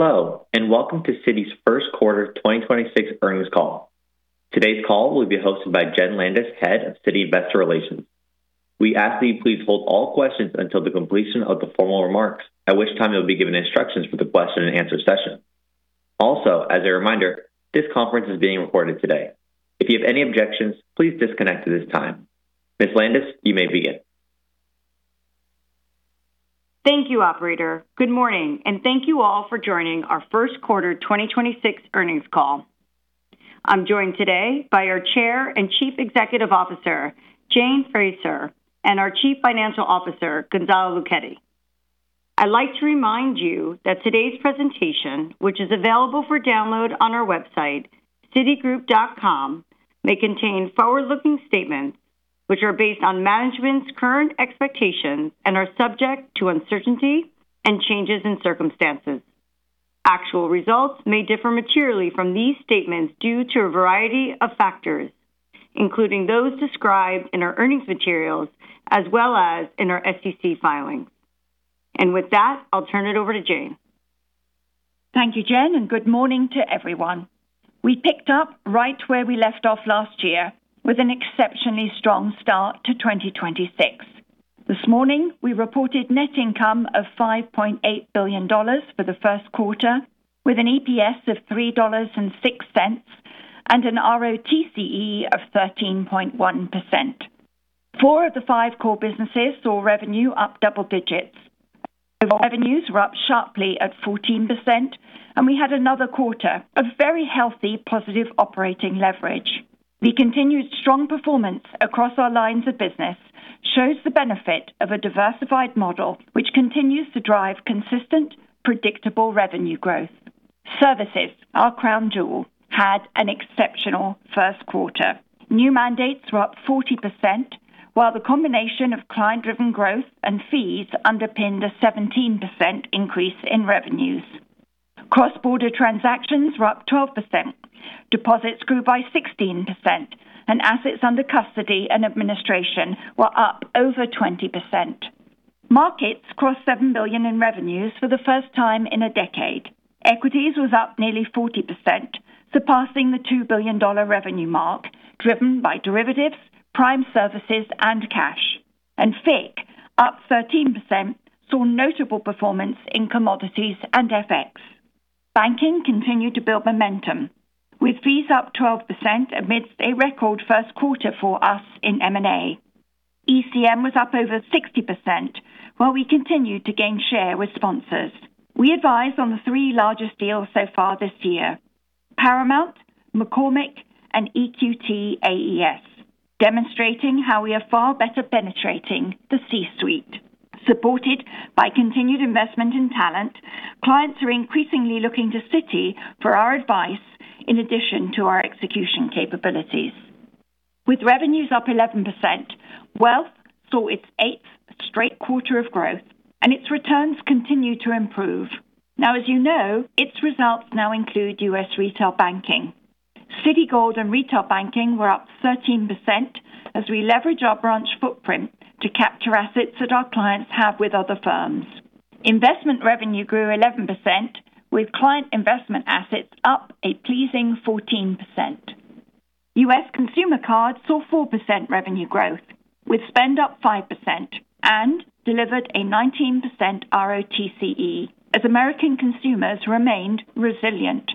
Hello, and welcome to Citi's first quarter 2026 earnings call. Today's call will be hosted by Jenn Landis, Head of Citi Investor Relations. We ask that you please hold all questions until the completion of the formal remarks, at which time you'll be given instructions for the question and answer session. Also, as a reminder, this conference is being recorded today. If you have any objections, please disconnect at this time. Ms. Landis, you may begin. Thank you, operator. Good morning, and thank you all for joining our first quarter 2026 earnings call. I'm joined today by our Chair and Chief Executive Officer, Jane Fraser, and our Chief Financial Officer, Gonzalo Luchetti. I'd like to remind you that today's presentation, which is available for download on our website, citigroup.com, may contain forward-looking statements which are based on management's current expectations and are subject to uncertainty and changes in circumstances. Actual results may differ materially from these statements due to a variety of factors, including those described in our earnings materials as well as in our SEC filings. With that, I'll turn it over to Jane. Thank you, Jenn, and good morning to everyone. We picked up right where we left off last year with an exceptionally strong start to 2026. This morning, we reported net income of $5.8 billion for the first quarter, with an EPS of $3.06 and an ROTCE of 13.1%. Four of the five core businesses saw revenue up double digits. Revenues were up sharply at 14%, and we had another quarter of very healthy positive operating leverage. The continued strong performance across our lines of business shows the benefit of a diversified model, which continues to drive consistent, predictable revenue growth. Services, our crown jewel, had an exceptional first quarter. New mandates were up 40%, while the combination of client-driven growth and fees underpinned a 17% increase in revenues. Cross-border transactions were up 12%. Deposits grew by 16%, and assets under custody and administration were up over 20%. Markets crossed $7 billion in revenues for the first time in a decade. Equities was up nearly 40%, surpassing the $2 billion revenue mark, driven by derivatives, prime services, and cash. FIC, up 13%, saw notable performance in commodities and FX. Banking continued to build momentum, with fees up 12% amidst a record first quarter for us in M&A. ECM was up over 60%, while we continued to gain share with sponsors. We advised on the three largest deals so far this year, Paramount, McCormick, and EQT AES, demonstrating how we are far better penetrating the C-suite. Supported by continued investment in talent, clients are increasingly looking to Citi for our advice in addition to our execution capabilities. With revenues up 11%, Wealth saw its eighth straight quarter of growth, and its returns continue to improve. Now as you know, its results now include U.S. Retail Banking. Citigold and Retail Banking were up 13% as we leverage our branch footprint to capture assets that our clients have with other firms. Investment revenue grew 11%, with client investment assets up a pleasing 14%. U.S. Consumer Cards saw 4% revenue growth, with spend up 5%, and delivered a 19% ROTCE as American consumers remained resilient.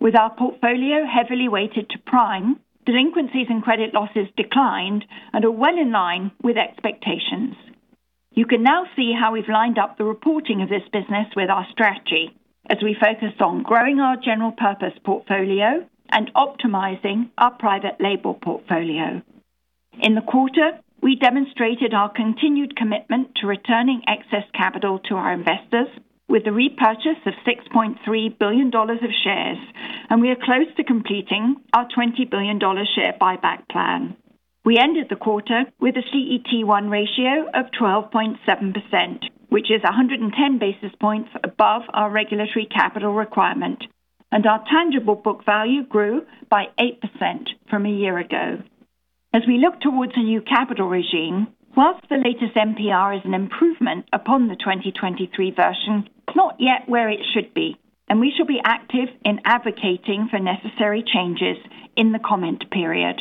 With our portfolio heavily weighted to prime, delinquencies and credit losses declined and are well in line with expectations. You can now see how we've lined up the reporting of this business with our strategy as we focus on growing our general purpose portfolio and optimizing our private label portfolio. In the quarter, we demonstrated our continued commitment to returning excess capital to our investors with the repurchase of $6.3 billion of shares, and we are close to completing our $20 billion share buyback plan. We ended the quarter with a CET1 ratio of 12.7%, which is 110 basis points above our regulatory capital requirement, and our tangible book value grew by 8% from a year ago. As we look towards a new capital regime, whilst the latest NPR is an improvement upon the 2023 version, it's not yet where it should be, and we shall be active in advocating for necessary changes in the comment period.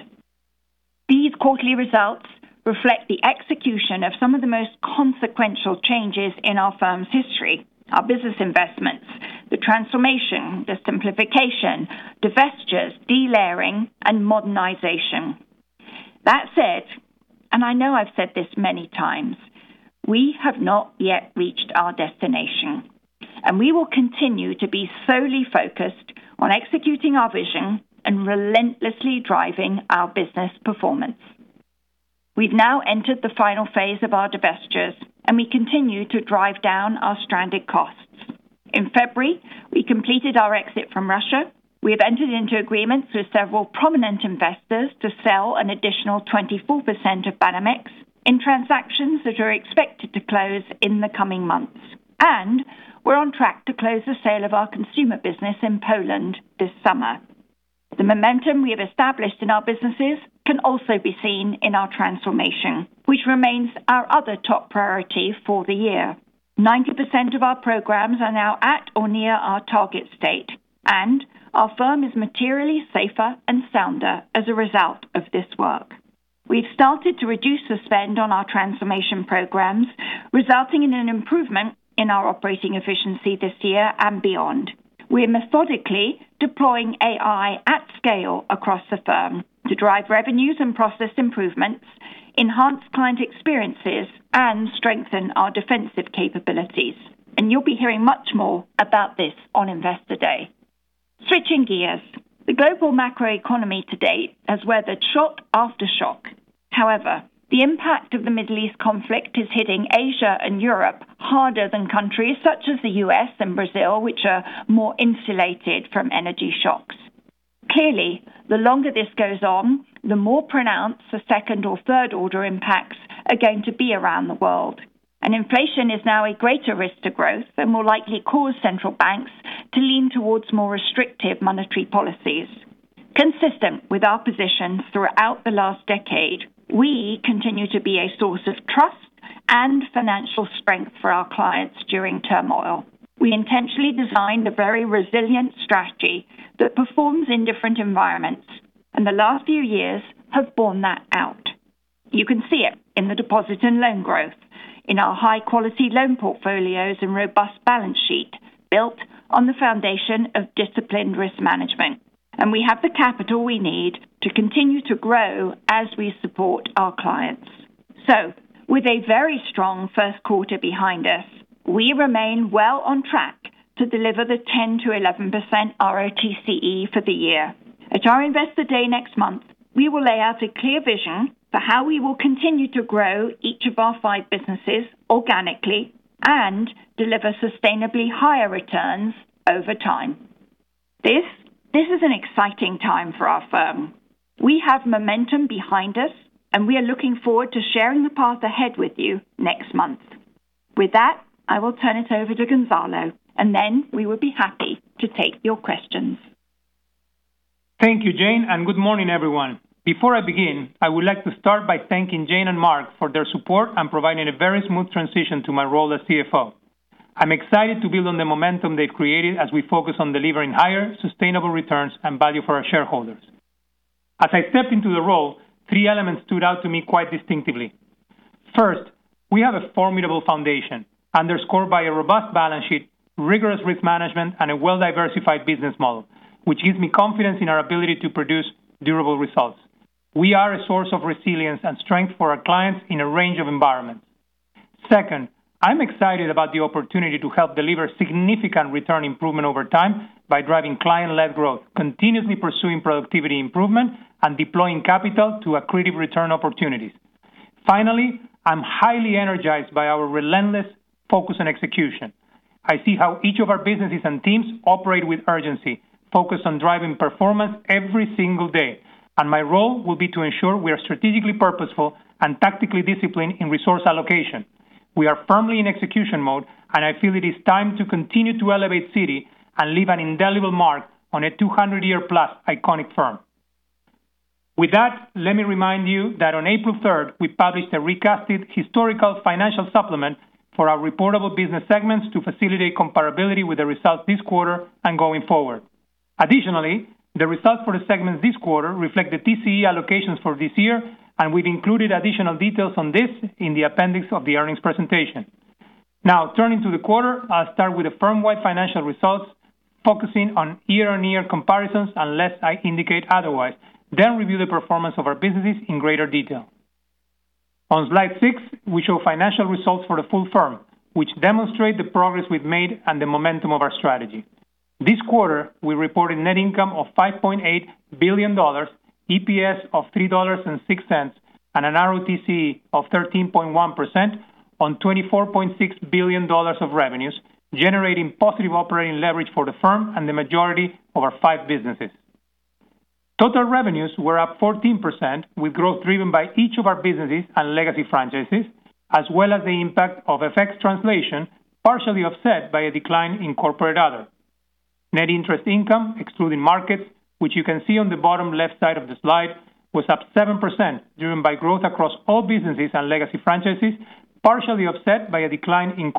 These quarterly results reflect the execution of some of the most consequential changes in our firm's history, our business investments, the transformation, the simplification, divestitures, delayering, and modernization. That said, and I know I've said this many times, we have not yet reached our destination, and we will continue to be solely focused on executing our vision and relentlessly driving our business performance. We've now entered the final phase of our divestitures, and we continue to drive down our stranded costs. In February, we completed our exit from Russia. We have entered into agreements with several prominent investors to sell an additional 24% of Banamex in transactions that are expected to close in the coming months. We're on track to close the sale of our consumer business in Poland this summer. The momentum we have established in our businesses can also be seen in our transformation, which remains our other top priority for the year. 90% of our programs are now at or near our target state, and our firm is materially safer and sounder as a result of this work. We've started to reduce the spend on our transformation programs, resulting in an improvement in our operating efficiency this year and beyond. We are methodically deploying AI at scale across the firm to drive revenues and process improvements, enhance client experiences, and strengthen our defensive capabilities. You'll be hearing much more about this on Investor Day. Switching gears, the global macroeconomy to date has weathered shock after shock. However, the impact of the Middle East conflict is hitting Asia and Europe harder than countries such as the U.S. and Brazil, which are more insulated from energy shocks. Clearly, the longer this goes on, the more pronounced the second or third order impacts are going to be around the world. Inflation is now a greater risk to growth and will likely cause central banks to lean towards more restrictive monetary policies. Consistent with our positions throughout the last decade, we continue to be a source of trust and financial strength for our clients during turmoil. We intentionally designed a very resilient strategy that performs in different environments, and the last few years have borne that out. You can see it in the deposit and loan growth, in our high-quality loan portfolios and robust balance sheet, built on the foundation of disciplined risk management. We have the capital we need to continue to grow as we support our clients. With a very strong first quarter behind us, we remain well on track to deliver the 10%-11% ROTCE for the year. At our Investor Day next month, we will lay out a clear vision for how we will continue to grow each of our five businesses organically and deliver sustainably higher returns over time. This is an exciting time for our firm. We have momentum behind us, and we are looking forward to sharing the path ahead with you next month. With that, I will turn it over to Gonzalo and then we will be happy to take your questions. Thank you, Jane, and good morning, everyone. Before I begin, I would like to start by thanking Jane and Mark for their support and providing a very smooth transition to my role as CFO. I'm excited to build on the momentum they've created as we focus on delivering higher sustainable returns and value for our shareholders. As I stepped into the role, three elements stood out to me quite distinctively. First, we have a formidable foundation underscored by a robust balance sheet, rigorous risk management, and a well-diversified business model, which gives me confidence in our ability to produce durable results. We are a source of resilience and strength for our clients in a range of environments. Second, I'm excited about the opportunity to help deliver significant return improvement over time by driving client-led growth, continuously pursuing productivity improvement, and deploying capital to accretive return opportunities. Finally, I'm highly energized by our relentless focus on execution. I see how each of our businesses and teams operate with urgency, focused on driving performance every single day. My role will be to ensure we are strategically purposeful and tactically disciplined in resource allocation. We are firmly in execution mode, and I feel it is time to continue to elevate Citi and leave an indelible mark on a 200-year-plus iconic firm. With that, let me remind you that on April 3rd, we published a recasted historical financial supplement for our reportable business segments to facilitate comparability with the results this quarter and going forward. Additionally, the results for the segments this quarter reflect the TCE allocations for this year, and we've included additional details on this in the appendix of the earnings presentation. Now turning to the quarter, I'll start with the firm-wide financial results, focusing on year-on-year comparisons unless I indicate otherwise, then review the performance of our businesses in greater detail. On slide six, we show financial results for the full firm, which demonstrate the progress we've made and the momentum of our strategy. This quarter, we reported net income of $5.8 billion, EPS of $3.6, and an ROTCE of 13.1% on $24.6 billion of revenues, generating positive operating leverage for the firm and the majority of our five businesses. Total revenues were up 14%, with growth driven by each of our businesses and legacy franchises, as well as the impact of FX translation, partially offset by a decline in Corporate Other. Net interest income, excluding Markets, which you can see on the bottom left side of the slide, was up 7%, driven by growth across all businesses and legacy franchises, partially offset by a decline in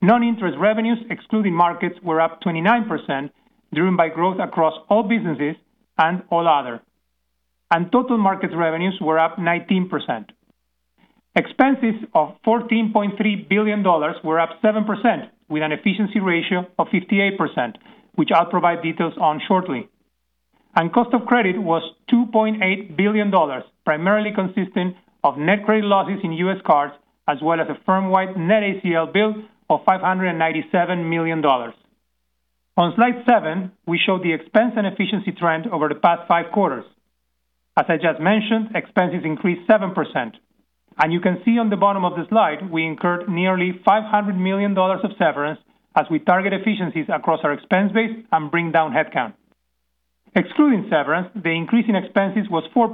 Corporate/Other. Non-interest revenues, excluding Markets, were up 29%, driven by growth across all businesses and all other. Total Markets revenues were up 19%. Expenses of $14.3 billion were up 7%, with an efficiency ratio of 58%, which I'll provide details on shortly. Cost of Credit was $2.8 billion, primarily consisting of net credit losses in U.S. cards, as well as a firm-wide net ACL build of $597 million. On slide seven, we show the expense and efficiency trend over the past five quarters. As I just mentioned, expenses increased 7%. You can see on the bottom of the slide, we incurred nearly $500 million of severance as we target efficiencies across our expense base and bring down headcount. Excluding severance, the increase in expenses was 4%,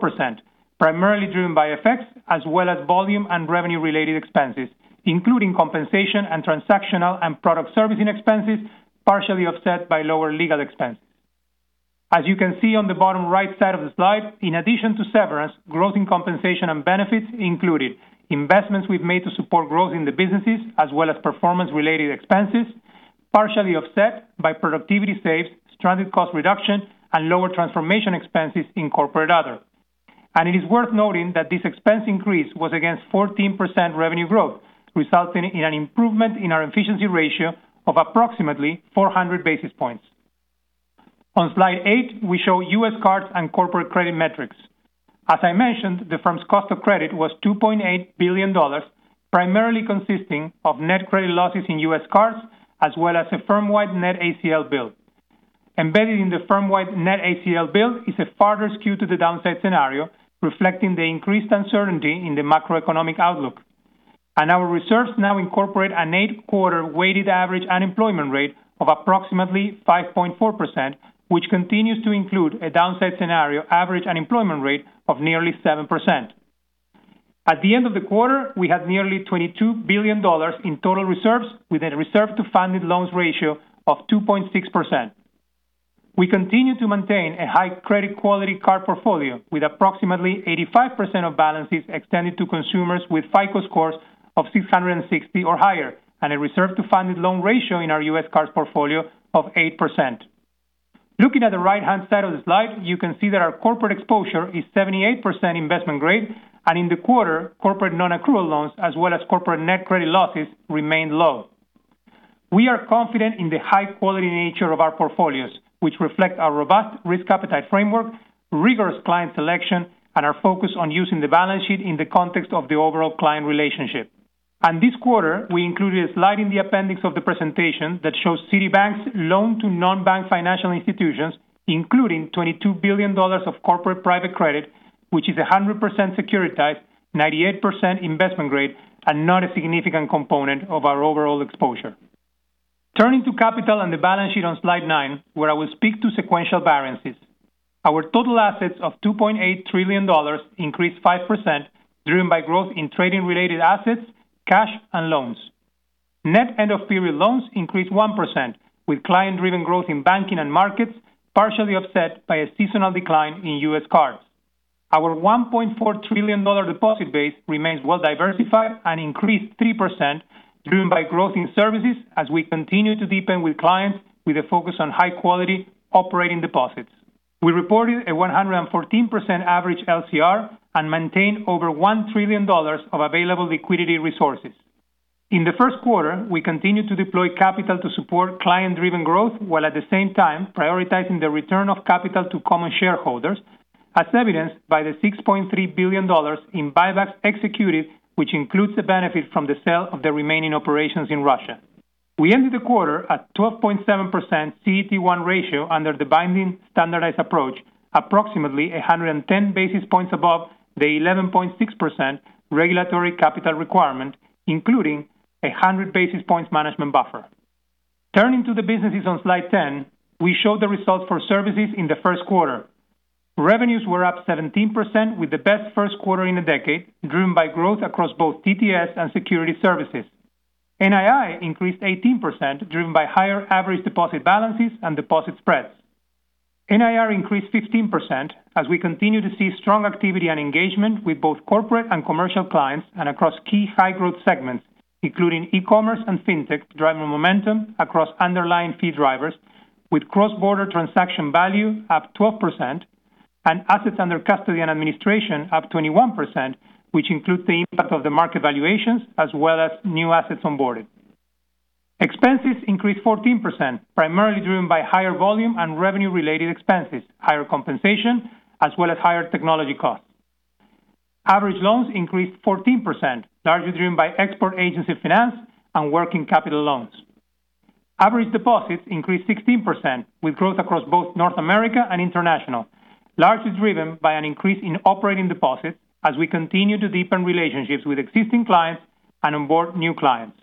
primarily driven by FX as well as volume and revenue-related expenses, including compensation and transactional and product servicing expenses, partially offset by lower legal expenses. As you can see on the bottom right side of the slide, in addition to severance, growth in compensation and benefits included investments we've made to support growth in the businesses as well as performance-related expenses, partially offset by productivity saves, stranded cost reduction, and lower transformation expenses in Corporate Other. It is worth noting that this expense increase was against 14% revenue growth, resulting in an improvement in our efficiency ratio of approximately 400 basis points. On slide eight, we show U.S. cards and corporate credit metrics. As I mentioned, the firm's cost of credit was $2.8 billion, primarily consisting of net credit losses in U.S. cards, as well as a firm-wide net ACL build. Embedded in the firm-wide net ACL build is a further skew to the downside scenario, reflecting the increased uncertainty in the macroeconomic outlook. Our reserves now incorporate an eight-quarter weighted average unemployment rate of approximately 5.4%, which continues to include a downside scenario average unemployment rate of nearly 7%. At the end of the quarter, we had nearly $22 billion in total reserves with a reserve-to-funded loans ratio of 2.6%. We continue to maintain a high credit quality card portfolio with approximately 85% of balances extended to consumers with FICO scores of 660 or higher, and a reserve-to-funded loan ratio in our U.S. cards portfolio of 8%. Looking at the right-hand side of the slide, you can see that our corporate exposure is 78% investment grade, and in the quarter, corporate non-accrual loans as well as corporate net credit losses remained low. We are confident in the high-quality nature of our portfolios, which reflect our robust risk appetite framework, rigorous client selection, and our focus on using the balance sheet in the context of the overall client relationship. This quarter, we included a slide in the appendix of the presentation that shows Citibank's loan to non-bank financial institutions, including $22 billion of corporate private credit, which is 100% securitized, 98% investment grade and not a significant component of our overall exposure. Turning to capital and the balance sheet on slide nine, where I will speak to sequential variances. Our total assets of $2.8 trillion increased 5%, driven by growth in trading-related assets, cash, and loans. Net end of period loans increased 1% with client-driven growth in banking and markets, partially offset by a seasonal decline in U.S. cards. Our $1.4 trillion deposit base remains well-diversified and increased 3%, driven by growth in services as we continue to deepen with clients with a focus on high-quality operating deposits. We reported a 114% average LCR and maintained over $1 trillion of available liquidity resources. In the first quarter, we continued to deploy capital to support client-driven growth, while at the same time prioritizing the return of capital to common shareholders, as evidenced by the $6.3 billion in buybacks executed, which includes the benefit from the sale of the remaining operations in Russia. We ended the quarter at 12.7% CET1 ratio under the binding standardized approach, approximately 110 basis points above the 11.6% regulatory capital requirement, including 100 basis points management buffer. Turning to the businesses on slide 10, we show the results for services in the first quarter. Revenues were up 17% with the best first quarter in a decade, driven by growth across both TTS and Securities Services. NII increased 18%, driven by higher average deposit balances and deposit spreads. NIR increased 15% as we continue to see strong activity and engagement with both corporate and commercial clients and across key high-growth segments, including e-commerce and fintech, driving momentum across underlying fee drivers with cross-border transaction value up 12% and assets under custody and administration up 21%, which includes the impact of the market valuations as well as new assets onboarded. Expenses increased 14%, primarily driven by higher volume and revenue-related expenses, higher compensation, as well as higher technology costs. Average loans increased 14%, largely driven by export agency finance and working capital loans. Average deposits increased 16% with growth across both North America and International, largely driven by an increase in operating deposits as we continue to deepen relationships with existing clients and onboard new clients.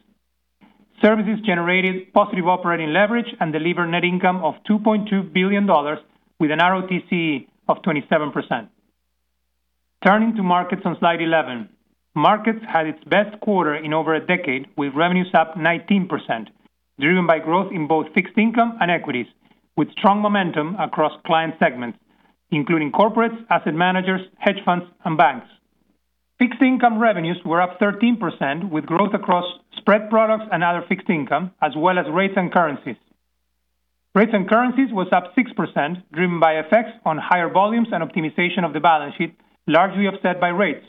Services generated positive operating leverage and delivered net income of $2.2 billion with an ROTCE of 27%. Turning to Markets on slide 11, Markets had its best quarter in over a decade, with revenues up 19%, driven by growth in both fixed income and equities, with strong momentum across client segments, including corporates, asset managers, hedge funds, and banks. Fixed income revenues were up 13% with growth across spread products and other fixed income, as well as Rates and Currencies. Rates and Currencies was up 6%, driven by FX on higher volumes and optimization of the balance sheet, largely offset by rates.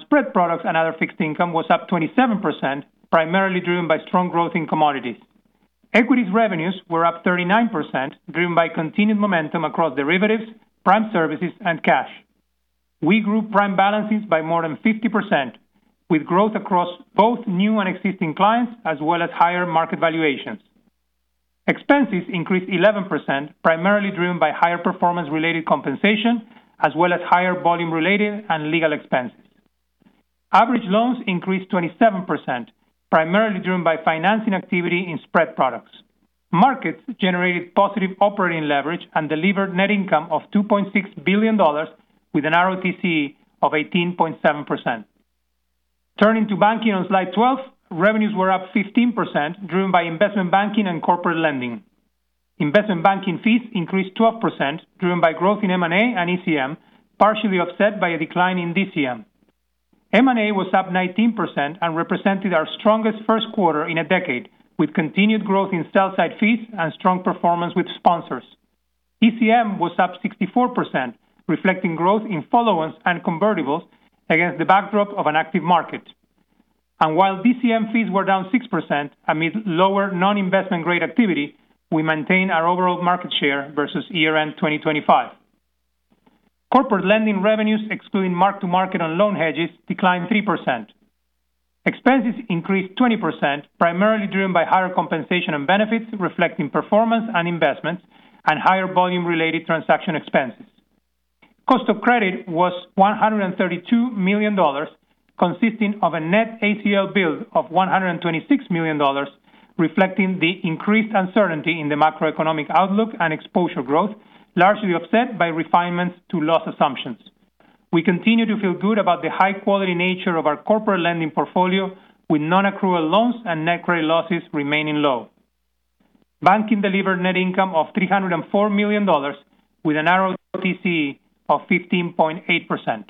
Spread products and other fixed income was up 27%, primarily driven by strong growth in commodities. Equities revenues were up 39%, driven by continued momentum across derivatives, prime services, and cash. We grew prime balances by more than 50% with growth across both new and existing clients, as well as higher market valuations. Expenses increased 11%, primarily driven by higher performance-related compensation as well as higher volume-related and legal expenses. Average loans increased 27%, primarily driven by financing activity in spread products. Markets generated positive operating leverage and delivered net income of $2.6 billion with an ROTCE of 18.7%. Turning to Banking on slide 12, revenues were up 15%, driven by investment banking and corporate lending. Investment banking fees increased 12%, driven by growth in M&A and ECM, partially offset by a decline in DCM. M&A was up 19% and represented our strongest first quarter in a decade, with continued growth in sell-side fees and strong performance with sponsors. ECM was up 64%, reflecting growth in follow-ons and convertibles against the backdrop of an active market. While DCM fees were down 6% amid lower non-investment grade activity, we maintained our overall market share versus year-end 2025. Corporate lending revenues, excluding mark-to-market on loan hedges, declined 3%. Expenses increased 20%, primarily driven by higher compensation and benefits reflecting performance and investments and higher volume-related transaction expenses. Cost of credit was $132 million, consisting of a net ACL build of $126 million, reflecting the increased uncertainty in the macroeconomic outlook and exposure growth, largely offset by refinements to loss assumptions. We continue to feel good about the high-quality nature of our corporate lending portfolio, with non-accrual loans and net credit losses remaining low. Banking delivered net income of $304 million with an ROTCE of 15.8%.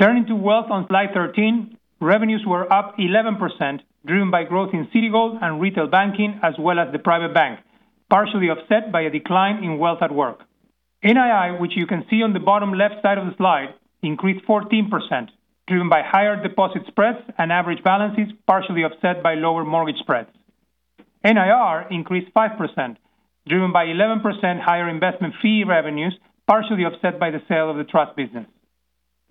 Turning to Wealth on slide 13, revenues were up 11%, driven by growth in Citigold and Retail Banking, as well as the Private Bank, partially offset by a decline in Wealth at Work. NII, which you can see on the bottom left side of the slide, increased 14%, driven by higher deposit spreads and average balances, partially offset by lower mortgage spreads. NIR increased 5%, driven by 11% higher investment fee revenues, partially offset by the sale of the trust business.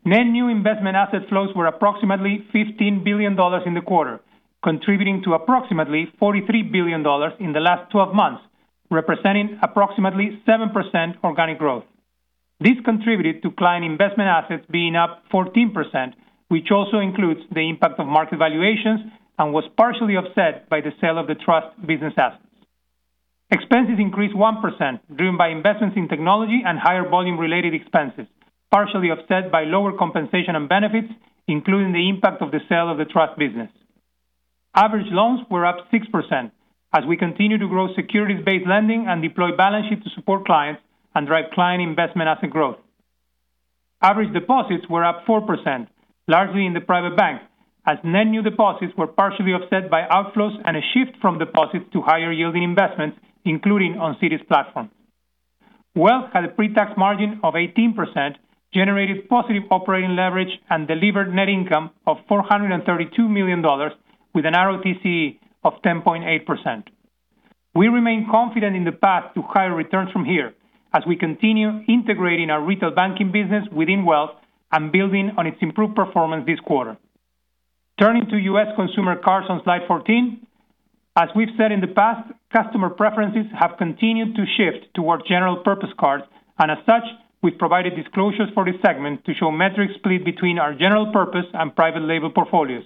Net new investment asset flows were approximately $15 billion in the quarter, contributing to approximately $43 billion in the last 12 months, representing approximately 7% organic growth. This contributed to client investment assets being up 14%, which also includes the impact of market valuations and was partially offset by the sale of the trust business assets. Expenses increased 1%, driven by investments in technology and higher volume-related expenses, partially offset by lower compensation and benefits, including the impact of the sale of the trust business. Average loans were up 6% as we continue to grow securities-based lending and deploy balance sheet to support clients and drive client investment asset growth. Average deposits were up 4%, largely in the Private Bank, as net new deposits were partially offset by outflows and a shift from deposits to higher-yielding investments, including on Citi's platform. Wealth had a pre-tax margin of 18%, generated positive operating leverage, and delivered net income of $432 million, with an ROTCE of 10.8%. We remain confident in the path to higher returns from here as we continue integrating our Retail Banking business within Wealth and building on its improved performance this quarter. Turning to U.S. Consumer Cards on slide 14. As we've said in the past, customer preferences have continued to shift towards general purpose cards, and as such, we've provided disclosures for this segment to show metrics split between our general purpose and private label portfolios.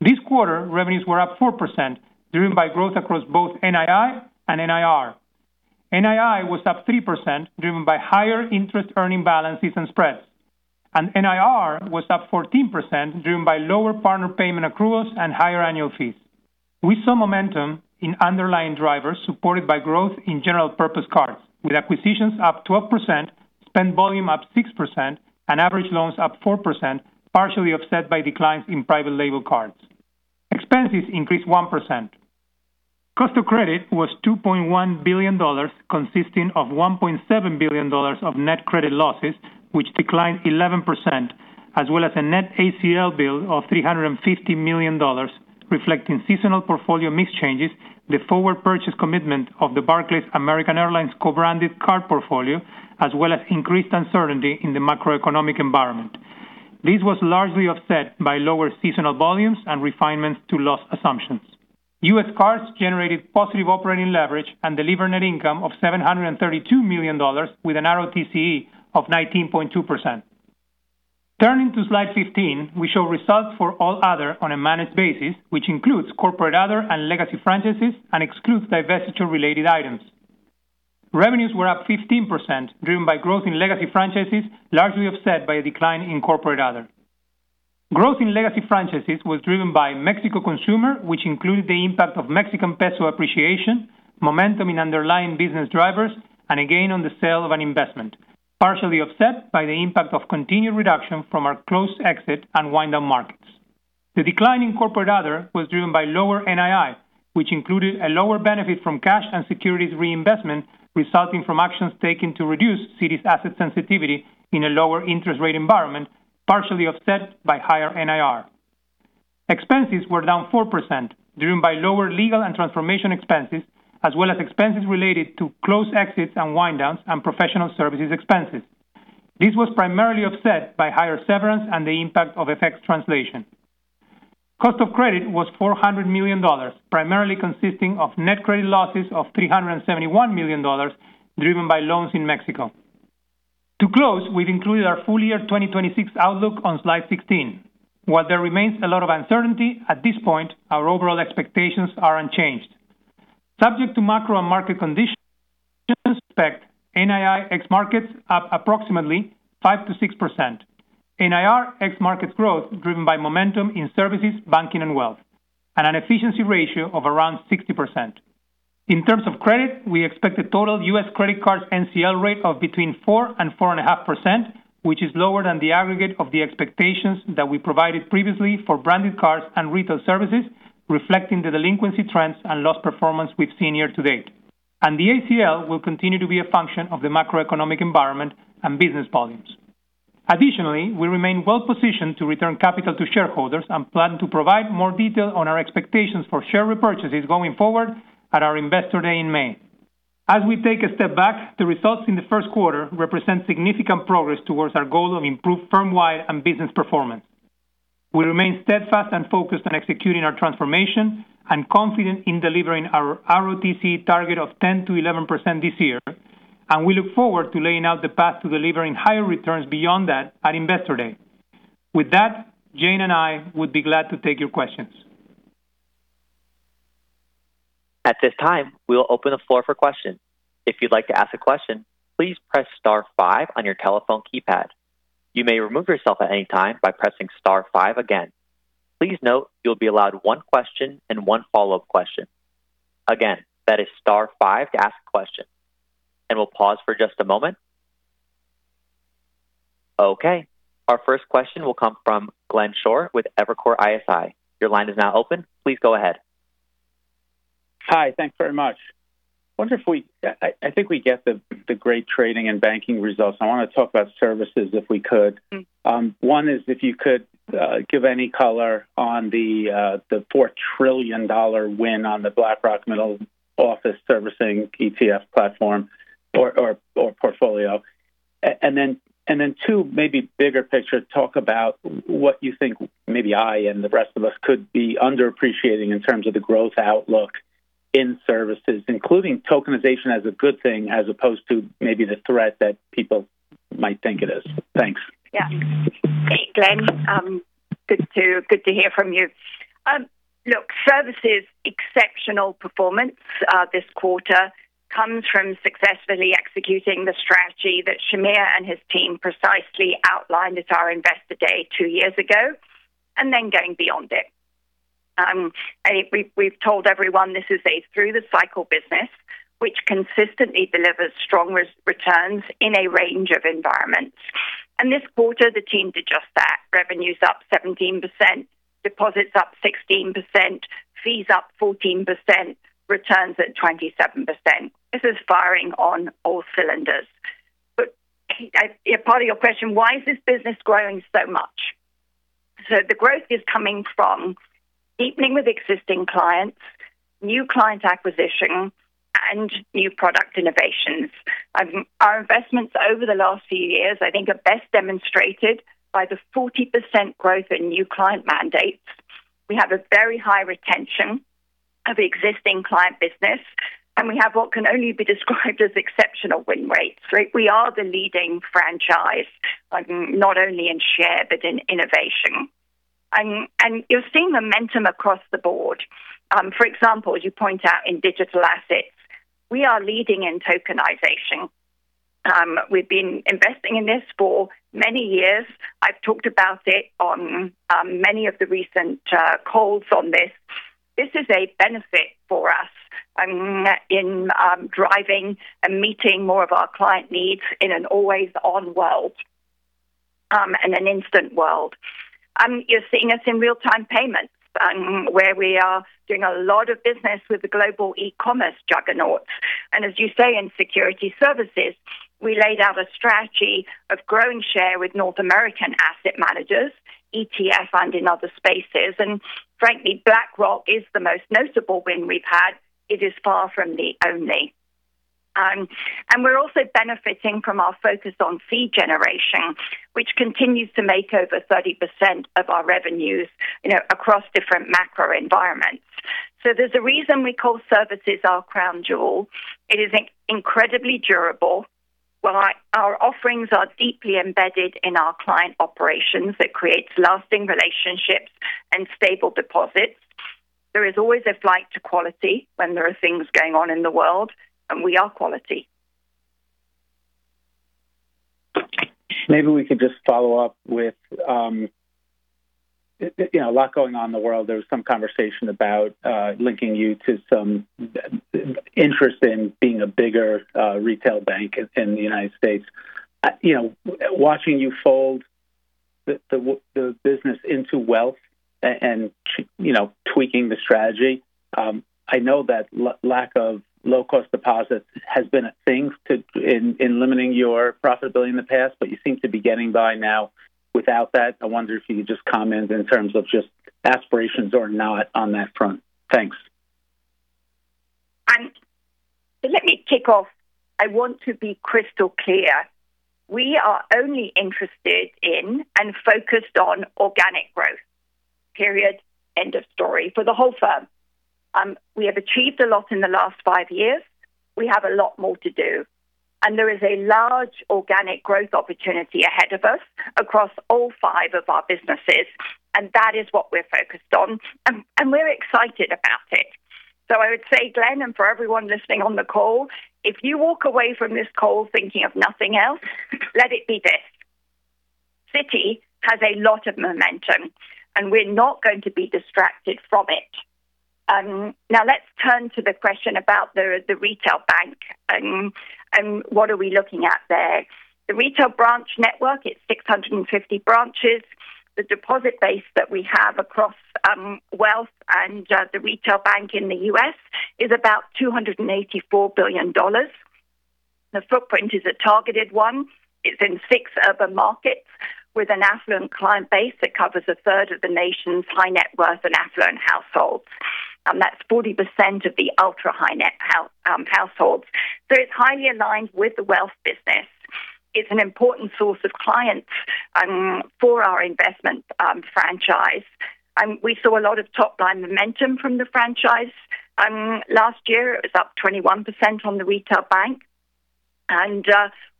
This quarter, revenues were up 4%, driven by growth across both NII and NIR. NII was up 3%, driven by higher interest earning balances and spreads, and NIR was up 14%, driven by lower partner payment accruals and higher annual fees. We saw momentum in underlying drivers supported by growth in general purpose cards, with acquisitions up 12%, spend volume up 6%, and average loans up 4%, partially offset by declines in private label cards. Expenses increased 1%. Cost of Credit was $2.1 billion, consisting of $1.7 billion of Net Credit Losses, which declined 11%, as well as a net ACL build of $350 million, reflecting seasonal portfolio mix changes, the forward purchase commitment of the Barclays/American Airlines co-branded card portfolio, as well as increased uncertainty in the macroeconomic environment. This was largely offset by lower seasonal volumes and refinements to loss assumptions. U.S. Cards generated positive operating leverage and delivered Net Income of $732 million, with an ROTCE of 19.2%. Turning to slide 15, we show results for All Other on a managed basis, which includes Corporate Other and Legacy Franchises and excludes divestiture-related items. Revenues were up 15%, driven by growth in Legacy Franchises, largely offset by a decline in Corporate Other. Growth in Legacy Franchises was driven by Mexico Consumer, which included the impact of Mexican peso appreciation, momentum in underlying business drivers, and a gain on the sale of an investment, partially offset by the impact of continued reduction from our closed exit and wind-down markets. The decline in Corporate Other was driven by lower NII, which included a lower benefit from cash and securities reinvestment resulting from actions taken to reduce Citi's asset sensitivity in a lower interest rate environment, partially offset by higher NIR. Expenses were down 4%, driven by lower legal and transformation expenses, as well as expenses related to closed exits and wind-downs and professional services expenses. This was primarily offset by higher severance and the impact of FX translation. Cost of credit was $400 million, primarily consisting of net credit losses of $371 million, driven by loans in Mexico. To close, we've included our full year 2026 outlook on slide 16. While there remains a lot of uncertainty, at this point, our overall expectations are unchanged. Subject to macro and market conditions, we expect NII ex-markets up approximately 5%-6%, NIR ex-markets growth driven by momentum in services, banking, and wealth, and an efficiency ratio of around 60%. In terms of credit, we expect a total U.S. credit cards NCL rate of between 4% and 4.5%, which is lower than the aggregate of the expectations that we provided previously for branded cards and retail services, reflecting the delinquency trends and loss performance we've seen year to date. The ACL will continue to be a function of the macroeconomic environment and business volumes. Additionally, we remain well-positioned to return capital to shareholders and plan to provide more detail on our expectations for share repurchases going forward at our Investor Day in May. As we take a step back, the results in the first quarter represent significant progress towards our goal of improved firm-wide and business performance. We remain steadfast and focused on executing our transformation and confident in delivering our ROTCE target of 10%-11% this year, and we look forward to laying out the path to delivering higher returns beyond that at Investor Day. With that, Jane and I would be glad to take your questions. At this time, we will open the floor for questions. If you'd like to ask a question, please press star five on your telephone keypad. You may remove yourself at any time by pressing star five again. Please note you'll be allowed one question and one follow-up question. Again, that is star five to ask a question. We'll pause for just a moment. Okay. Our first question will come from Glenn Schorr with Evercore ISI. Your line is now open. Please go ahead. Hi. Thanks very much. I think we get the great trading and banking results. I want to talk about Services if we could. Mm-hmm. One is if you could give any color on the $4 trillion win on the BlackRock Middle Office Servicing ETF platform or portfolio. Two, maybe bigger picture, talk about what you think maybe I and the rest of us could be underappreciating in terms of the growth outlook in Services, including tokenization as a good thing as opposed to maybe the threat that people might think it is. Thanks. Yeah. Hey, Glenn. Good to hear from you. Look, Services exceptional performance this quarter comes from successfully executing the strategy that Shahmir and his team precisely outlined at our Investor Day two years ago, and then going beyond it. We've told everyone this is a through the cycle business, which consistently delivers strong returns in a range of environments. This quarter, the team did just that. Revenue's up 17%, deposits up 16%, fees up 14%, returns at 27%. This is firing on all cylinders. Part of your question, why is this business growing so much? The growth is coming from deepening with existing clients, new client acquisition, and new product innovations. Our investments over the last few years, I think are best demonstrated by the 40% growth in new client mandates. We have a very high retention of existing client business, and we have what can only be described as exceptional win rates. We are the leading franchise, not only in share but in innovation. You're seeing momentum across the board. For example, as you point out in digital assets, we are leading in tokenization. We've been investing in this for many years. I've talked about it on many of the recent calls on this. This is a benefit for us in driving and meeting more of our client needs in an always-on world, and an instant world. You're seeing us in real-time payments, where we are doing a lot of business with the global e-commerce juggernaut. As you say, in Securities Services, we laid out a strategy of growing share with North American asset managers, ETF, and in other spaces. Frankly, BlackRock is the most notable win we've had. It is far from the only. We're also benefiting from our focus on fee generation, which continues to make over 30% of our revenues across different macro environments. There's a reason we call Services our crown jewel. It is incredibly durable. Our offerings are deeply embedded in our client operations. It creates lasting relationships and stable deposits. There is always a flight to quality when there are things going on in the world, and we are quality. Maybe we could just follow up with a lot going on in the world. There was some conversation about linking you to some interest in being a bigger retail bank in the United States. Watching you fold the business into Wealth and tweaking the strategy, I know that lack of low-cost deposits has been a thing in limiting your profitability in the past, but you seem to be getting by now without that. I wonder if you could just comment in terms of just aspirations or not on that front. Thanks. Let me kick off. I want to be crystal clear. We are only interested in and focused on organic growth, period. End of story, for the whole firm. We have achieved a lot in the last five years. We have a lot more to do, and there is a large organic growth opportunity ahead of us across all five of our businesses, and that is what we're focused on, and we're excited about it. I would say, Glenn, and for everyone listening on the call, if you walk away from this call thinking of nothing else, let it be this. Citi has a lot of momentum, and we're not going to be distracted from it. Now let's turn to the question about the retail bank and what are we looking at there. The Retail branch network, it's 650 branches. The deposit base that we have across Wealth and the Retail Bank in the U.S. is about $284 billion. The footprint is a targeted one. It's in six urban markets with an affluent client base that covers a third of the nation's high-net-worth and affluent households. That's 40% of the ultra-high-net households. It's highly aligned with the Wealth business. It's an important source of clients for our investment franchise. We saw a lot of top-line momentum from the franchise. Last year, it was up 21% from the Retail Bank, and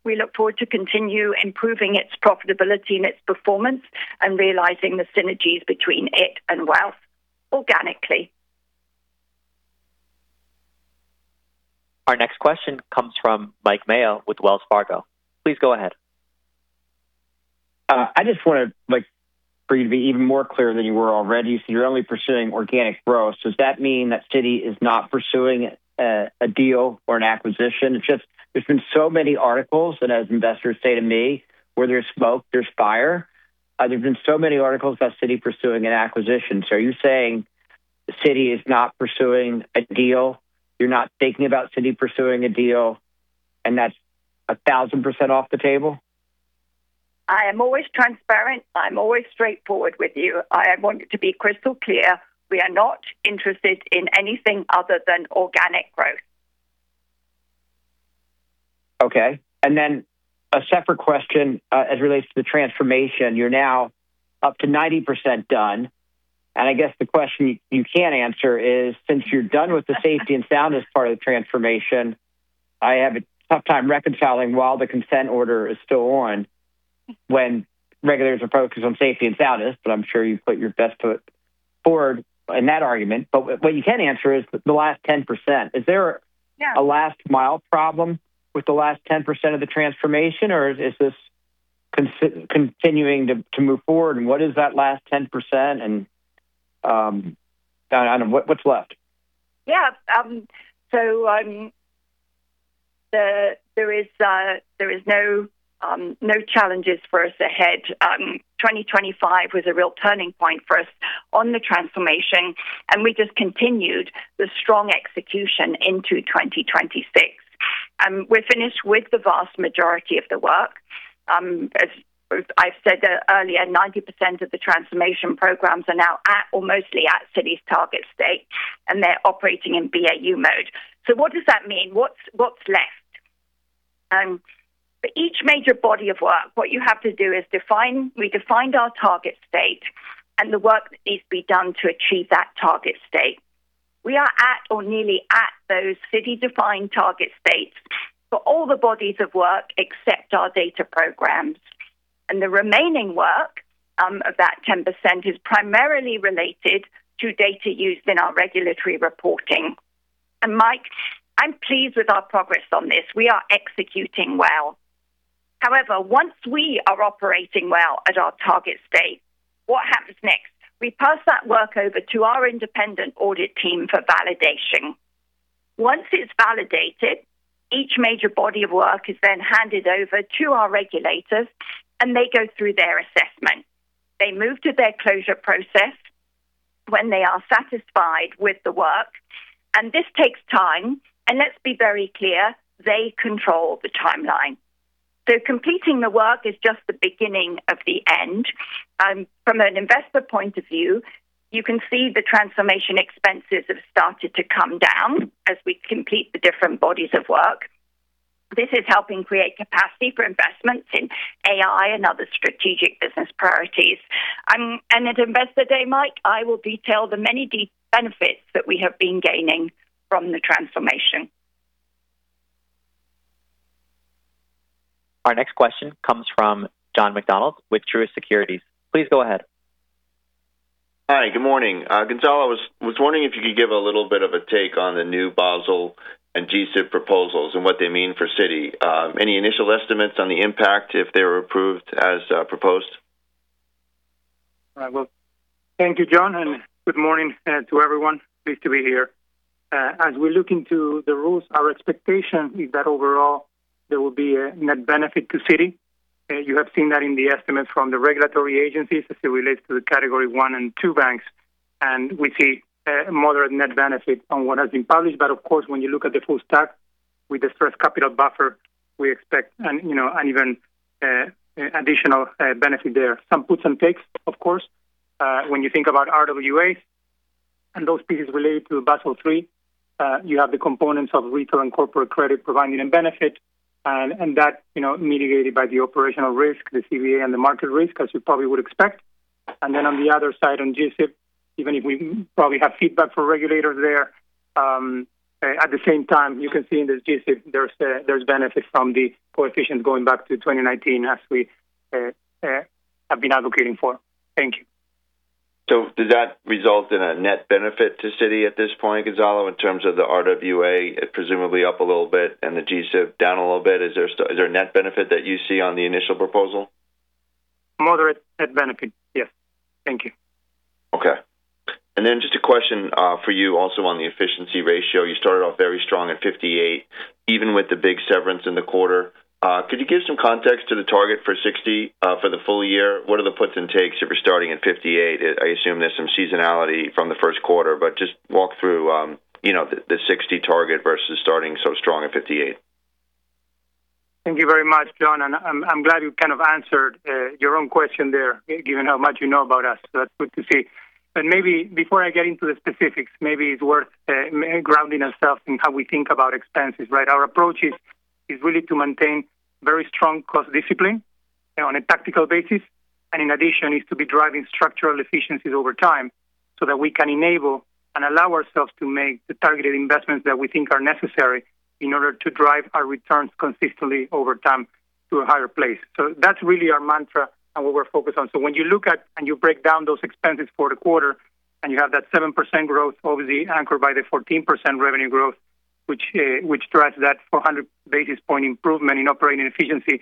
we look forward to continue improving its profitability and its performance and realizing the synergies between it and Wealth organically. Our next question comes from Mike Mayo with Wells Fargo. Please go ahead. I just wanted for you to be even more clear than you were already. You're only pursuing organic growth. Does that mean that Citi is not pursuing a deal or an acquisition? There's been so many articles, and as investors say to me, "Where there's smoke, there's fire." There's been so many articles about Citi pursuing an acquisition. Are you saying Citi is not pursuing a deal? You're not thinking about Citi pursuing a deal, and that's 1,000% off the table? I am always transparent. I'm always straightforward with you. I want it to be crystal clear. We are not interested in anything other than organic growth. Okay. A separate question as it relates to the transformation. You're now up to 90% done, and I guess the question you can answer is, since you're done with the safety and soundness part of the transformation, I have a tough time reconciling why the consent order is still on, when regulators are focused on safety and soundness. I'm sure you've put your best foot forward in that argument. What you can answer is the last 10%. Yeah. A last mile problem with the last 10% of the transformation, or is this continuing to move forward? What is that last 10%, and what's left? Yeah. There is no challenges for us ahead. 2025 was a real turning point for us on the transformation, and we just continued the strong execution into 2026. We're finished with the vast majority of the work. As I've said earlier, 90% of the transformation programs are now at or mostly at Citi's target state, and they're operating in BAU mode. What does that mean? What's left? For each major body of work, what you have to do is define. We defined our target state and the work that needs to be done to achieve that target state. We are at or nearly at those Citi-defined target states for all the bodies of work except our data programs. The remaining work of that 10% is primarily related to data used in our regulatory reporting. Mike, I'm pleased with our progress on this. We are executing well. However, once we are operating well at our target state, what happens next? We pass that work over to our independent audit team for validation. Once it's validated, each major body of work is then handed over to our regulators, and they go through their assessment. They move to their closure process when they are satisfied with the work. This takes time. Let's be very clear, they control the timeline. Completing the work is just the beginning of the end. From an investor point of view, you can see the transformation expenses have started to come down as we complete the different bodies of work. This is helping create capacity for investments in AI and other strategic business priorities. At Investor Day, Mike, I will detail the many benefits that we have been gaining from the transformation. Our next question comes from John McDonald with Truist Securities. Please go ahead. Hi. Good morning. Gonzalo, I was wondering if you could give a little bit of a take on the new Basel and G-SIB proposals and what they mean for Citi. Any initial estimates on the impact if they were approved as proposed? Right. Well, thank you, John, and good morning to everyone. Pleased to be here. As we look into the rules, our expectation is that overall, there will be a net benefit to Citi. You have seen that in the estimates from the regulatory agencies as it relates to the Category one and two banks. We see a moderate net benefit on what has been published. Of course, when you look at the full stack with the Stress Capital Buffer, we expect an even additional benefit there. Some puts and takes, of course. When you think about RWAs and those pieces related to Basel III, you have the components of retail and corporate credit providing a benefit, and that mitigated by the operational risk, the CVA, and the market risk, as you probably would expect. On the other side, on G-SIB, even if we probably have feedback for regulators there, at the same time, you can see in the G-SIB, there's benefit from the coefficient going back to 2019 as we have been advocating for. Thank you. Did that result in a net benefit to Citi at this point, Gonzalo, in terms of the RWA, presumably up a little bit and the G-SIB down a little bit? Is there a net benefit that you see on the initial proposal? Moderate net benefit, yes. Thank you. Okay. Just a question for you also on the efficiency ratio. You started off very strong at 58%, even with the big severance in the quarter. Could you give some context to the target for 60% for the full year? What are the puts and takes if you're starting at 58%? I assume there's some seasonality from the first quarter, but just walk through the 60% target versus starting so strong at 58%. Thank you very much, John, and I'm glad you kind of answered your own question there, given how much you know about us. That's good to see. Maybe before I get into the specifics, maybe it's worth grounding ourselves in how we think about expenses, right? Our approach is really to maintain very strong cost discipline on a tactical basis. In addition, is to be driving structural efficiencies over time so that we can enable and allow ourselves to make the targeted investments that we think are necessary in order to drive our returns consistently over time to a higher place. That's really our mantra and what we're focused on. When you look at, and you break down those expenses for the quarter, and you have that 7% growth over the anchor by the 14% revenue growth, which drives that 400 basis points improvement in operating efficiency.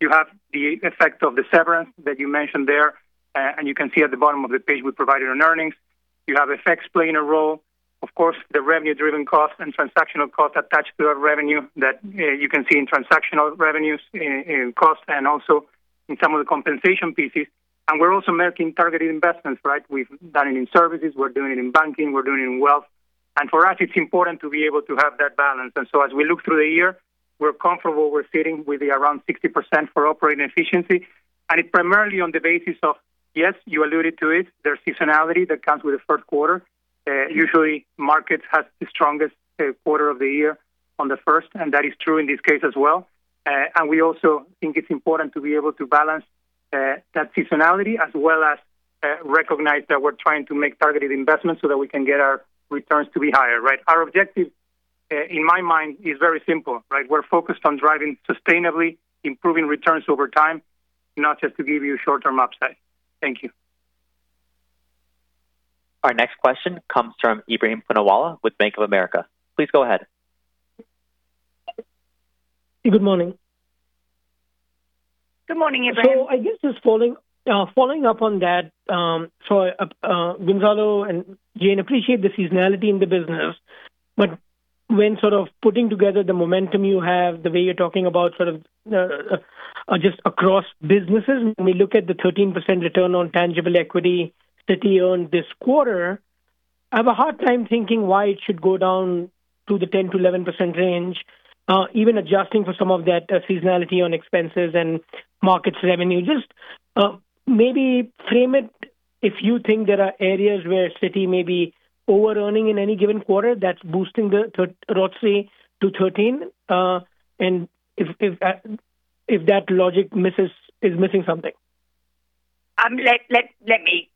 You have the effect of the severance that you mentioned there, and you can see at the bottom of the page we provided on earnings. You have FX playing a role. Of course, the revenue-driven costs and transactional costs attached to our revenue that you can see in transactional revenues, in cost, and also in some of the compensation pieces. We're also making targeted investments, right? We've done it in Services, we're doing it in Banking, we're doing it in Wealth. For us, it's important to be able to have that balance. As we look through the year, we're comfortable we're sitting with around 60% for operating efficiency. It's primarily on the basis of, yes, you alluded to it, there's seasonality that comes with the first quarter. Usually, Markets has the strongest quarter of the year on the first, and that is true in this case as well. We also think it's important to be able to balance that seasonality as well as recognize that we're trying to make targeted investments so that we can get our returns to be higher, right? Our objective, in my mind, is very simple, right? We're focused on driving sustainably, improving returns over time, not just to give you short-term upside. Thank you. Our next question comes from Ebrahim Poonawala with Bank of America. Please go ahead. Good morning. Good morning, Ebrahim. I guess just following up on that. Gonzalo and Jane, appreciate the seasonality in the business, but when sort of putting together the momentum you have, the way you're talking about sort of just across businesses, when we look at the 13% return on tangible equity Citi earned this quarter, I have a hard time thinking why it should go down to the 10%-11% range, even adjusting for some of that seasonality on expenses and markets revenue. Just maybe frame it if you think there are areas where Citi may be over-earning in any given quarter that's boosting the ROTCE to 13%, and if that logic is missing something. Let me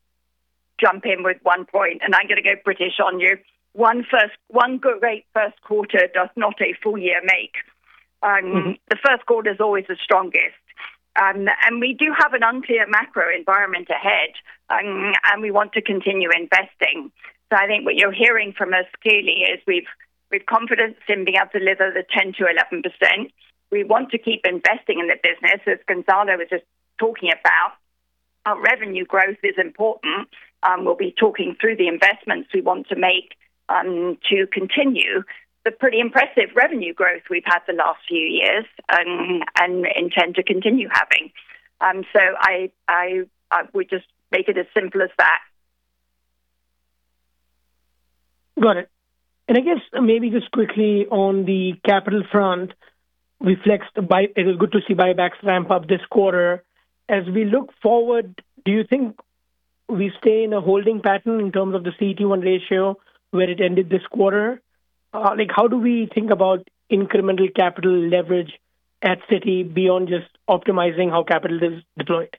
jump in with one point, and I'm going to go British on you. One great first quarter does not a full year make. The first quarter is always the strongest. We do have an unclear macro environment ahead, and we want to continue investing. I think what you're hearing from us clearly is we've confidence in being able to deliver the 10%-11%. We want to keep investing in the business, as Gonzalo was just talking about. Our revenue growth is important. We'll be talking through the investments we want to make to continue the pretty impressive revenue growth we've had the last few years and intend to continue having. I would just make it as simple as that. Got it. I guess maybe just quickly on the capital front, it is good to see buybacks ramp up this quarter. As we look forward, do you think we stay in a holding pattern in terms of the CET1 ratio where it ended this quarter? How do we think about incremental capital leverage at Citi beyond just optimizing how capital is deployed?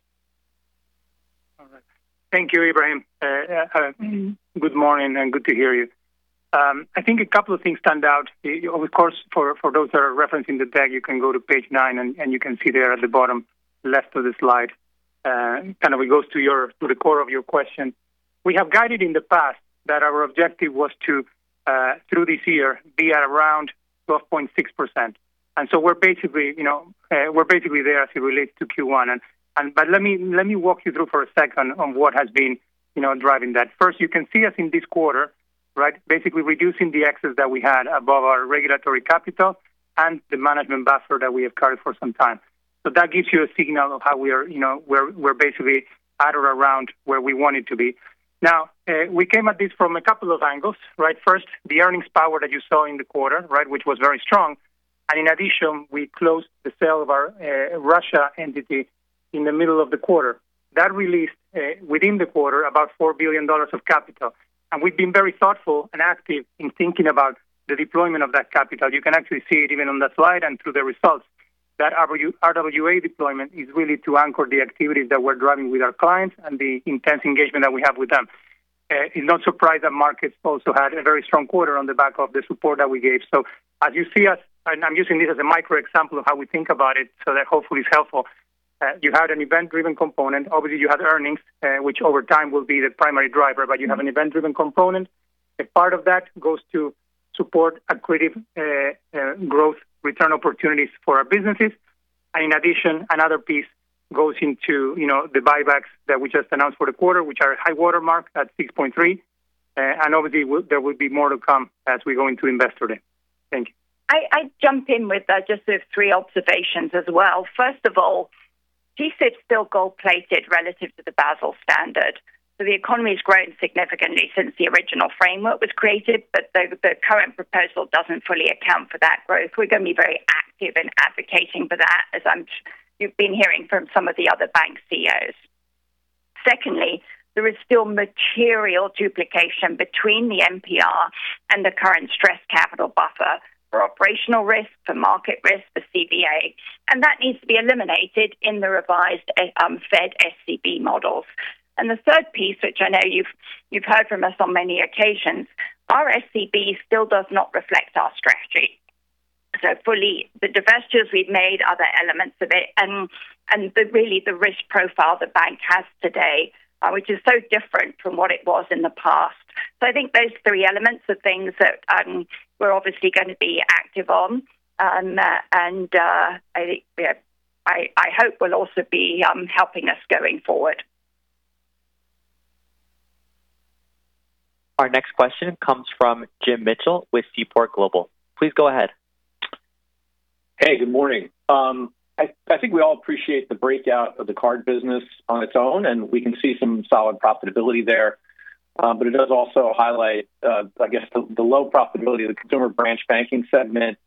All right. Thank you, Ebrahim. Good morning, and good to hear you. I think a couple of things stand out. Of course, for those that are referencing the deck, you can go to page nine, and you can see there at the bottom left of the slide. It kind of goes to the core of your question. We have guided in the past that our objective was to, through this year, be at around 12.6%. We're basically there as it relates to Q1. Let me walk you through for a second on what has been driving that. First, you can see us in this quarter, right, basically reducing the excess that we had above our regulatory capital and the management buffer that we have carried for some time. That gives you a signal of how we're basically at or around where we wanted to be. Now, we came at this from a couple of angles, right? First, the earnings power that you saw in the quarter, which was very strong. In addition, we closed the sale of our Russia entity in the middle of the quarter. That released, within the quarter, about $4 billion of capital. We've been very thoughtful and active in thinking about the deployment of that capital. You can actually see it even on the slide and through the results, that our RWA deployment is really to anchor the activities that we're driving with our clients and the intense engagement that we have with them. It's no surprise that markets also had a very strong quarter on the back of the support that we gave. As you see us, and I'm using this as a micro example of how we think about it so that hopefully it's helpful. You had an event-driven component. Obviously, you had earnings, which over time will be the primary driver, but you have an event-driven component. A part of that goes to support accretive growth return opportunities for our businesses. In addition, another piece goes into the buybacks that we just announced for the quarter, which are high watermark at 6.3. Obviously, there will be more to come as we go into Investor Day. Thank you. I jump in with just three observations as well. First of all, G-SIB is still gold-plated relative to the Basel standard. The economy has grown significantly since the original framework was created, but the current proposal doesn't fully account for that growth. We're going to be very active in advocating for that, as you've been hearing from some of the other bank CEOs. Secondly, there is still material duplication between the NPR and the current Stress Capital Buffer for operational risk, for market risk, for CVA. That needs to be eliminated in the revised Fed SCB models. The third piece, which I know you've heard from us on many occasions, our SCB still does not reflect our strategy. Fully, the divestitures we've made are the elements of it and really the risk profile the bank has today, which is so different from what it was in the past. I think those three elements are things that we're obviously going to be active on, and I hope will also be helping us going forward. Our next question comes from Jim Mitchell with Seaport Global. Please go ahead. Hey, good morning. I think we all appreciate the breakout of the card business on its own, and we can see some solid profitability there. It does also highlight, I guess, the low profitability of the consumer branch banking segment.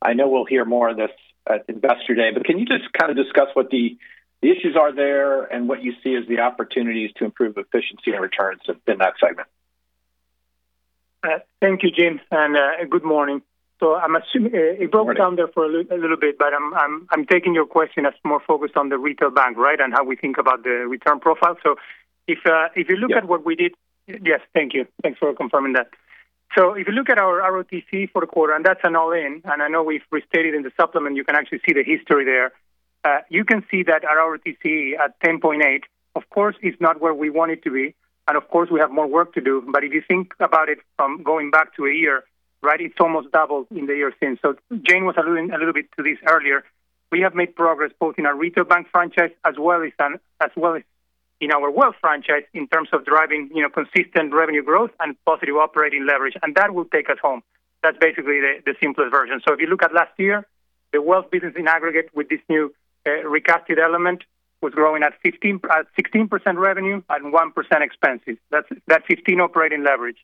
I know we'll hear more of this at Investor Day, but can you just kind of discuss what the issues are there and what you see as the opportunities to improve efficiency and returns within that segment? Thank you, Jim, and good morning. I'm assuming it broke down there for a little bit, but I'm taking your question as more focused on the retail bank, right, and how we think about the return profile? If you look at what we did. Yes. Yes. Thank you. Thanks for confirming that. If you look at our ROTCE for the quarter, and that's an all-in, and I know we've restated in the supplement, you can actually see the history there. You can see that our ROTCE at 10.8%, of course, is not where we want it to be, and of course we have more work to do. If you think about it from going back to a year, it's almost doubled in the year since. Jane was alluding a little bit to this earlier. We have made progress both in our retail bank franchise as well as in our wealth franchise in terms of driving consistent revenue growth and positive operating leverage. That will take us home. That's basically the simplest version. If you look at last year, the Wealth business in aggregate with this new recasted element was growing at 16% revenue and 1% expenses. That's 15% operating leverage.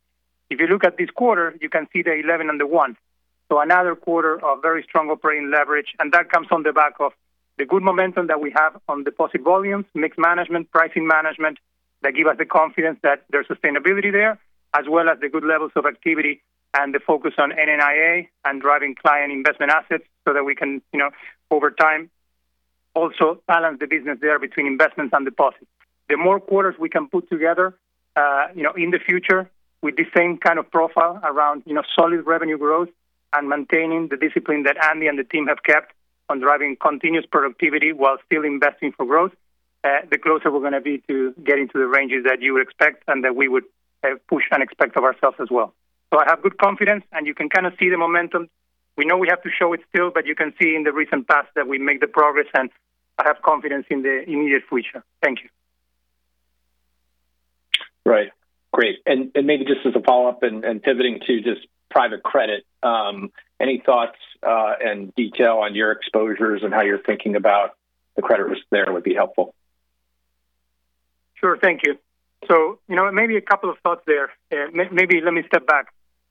If you look at this quarter, you can see the 11% and the 1%. Another quarter of very strong operating leverage, and that comes on the back of the good momentum that we have on deposit volumes, mix management, pricing management, that give us the confidence that there's sustainability there, as well as the good levels of activity and the focus on NNIA and driving client investment assets so that we can, over time, also balance the business there between investments and deposits. The more quarters we can put together in the future with the same kind of profile around solid revenue growth and maintaining the discipline that Andy and the team have kept on driving continuous productivity while still investing for growth, the closer we're going to be to getting to the ranges that you would expect and that we would push and expect of ourselves as well. I have good confidence, and you can kind of see the momentum. We know we have to show it still, but you can see in the recent past that we make the progress, and I have confidence in the immediate future. Thank you. Right. Great. Maybe just as a follow-up and pivoting to just private credit, any thoughts and detail on your exposures and how you're thinking about the credit risk there would be helpful. Sure. Thank you. Maybe a couple of thoughts there. Maybe let me step back.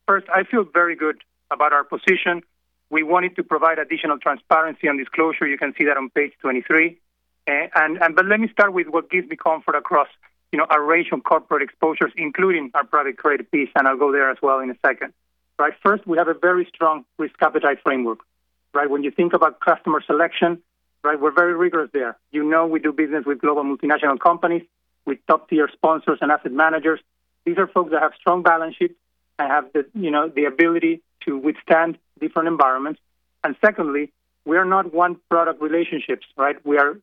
First, I feel very good about our position. We wanted to provide additional transparency on disclosure. You can see that on page 23. Let me start with what gives me comfort across our range of corporate exposures, including our private credit piece, and I'll go there as well in a second. First, we have a very strong risk appetite framework. When you think about customer selection, we're very rigorous there. You know we do business with global multinational companies, with top-tier sponsors and asset managers. These are folks that have strong balance sheets and have the ability to withstand different environments. Secondly, we are not one-product relationships. We are,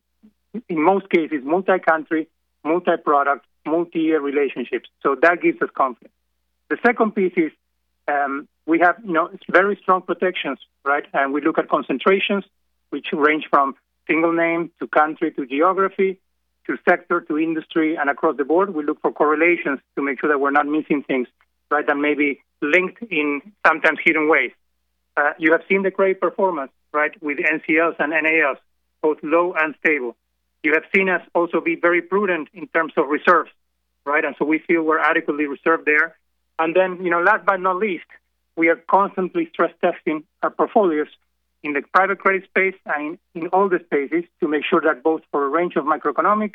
in most cases, multi-country, multi-product, multi-year relationships. That gives us confidence. The second piece is, we have very strong protections. We look at concentrations, which range from single name to country, to geography, to sector, to industry, and across the board, we look for correlations to make sure that we're not missing things that may be linked in sometimes hidden ways. You have seen the great performance with NCLs, both low and stable. You have seen us also be very prudent in terms of reserves. Right. We feel we're adequately reserved there. Last but not least, we are constantly stress testing our portfolios in the private credit space and in all the spaces to make sure that both for a range of macroeconomic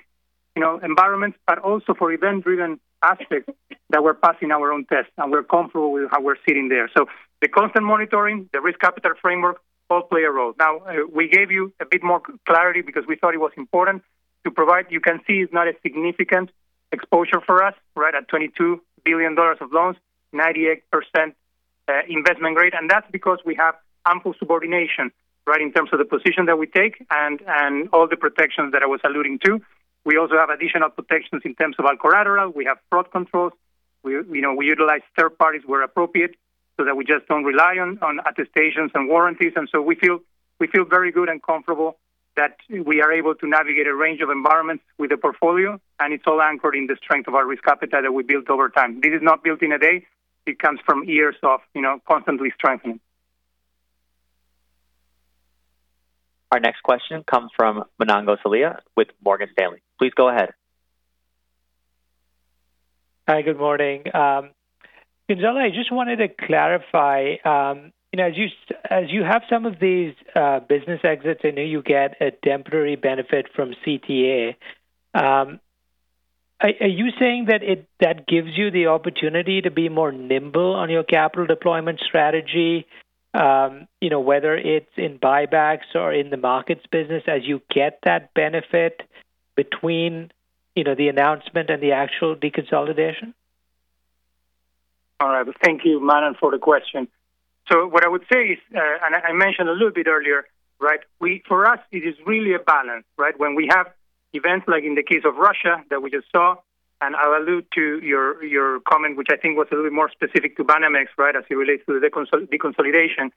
environments, but also for event-driven aspects that we're passing our own tests and we're comfortable with how we're sitting there. The constant monitoring, the risk capital framework all play a role. Now, we gave you a bit more clarity because we thought it was important to provide. You can see it's not a significant exposure for us, right at $22 billion of loans, 98% investment grade. That's because we have ample subordination, right, in terms of the position that we take and all the protections that I was alluding to. We also have additional protections in terms of our collateral. We have fraud controls. We utilize third parties where appropriate so that we just don't rely on attestations and warranties. We feel very good and comfortable that we are able to navigate a range of environments with a portfolio, and it's all anchored in the strength of our risk capital that we built over time. This is not built in a day. It comes from years of constantly strengthening. Our next question comes from Manan Gosalia with Morgan Stanley. Please go ahead. Hi, good morning. Gonzalo, I just wanted to clarify, as you have some of these business exits, I know you get a temporary benefit from CTA. Are you saying that gives you the opportunity to be more nimble on your capital deployment strategy, whether it's in buybacks or in the Markets business as you get that benefit between the announcement and the actual deconsolidation? All right. Thank you, Manan, for the question. What I would say is, and I mentioned a little bit earlier, for us, it is really a balance, right? When we have events like in the case of Russia that we just saw, and I'll allude to your comment, which I think was a little bit more specific to Banamex, right, as it relates to the deconsolidation.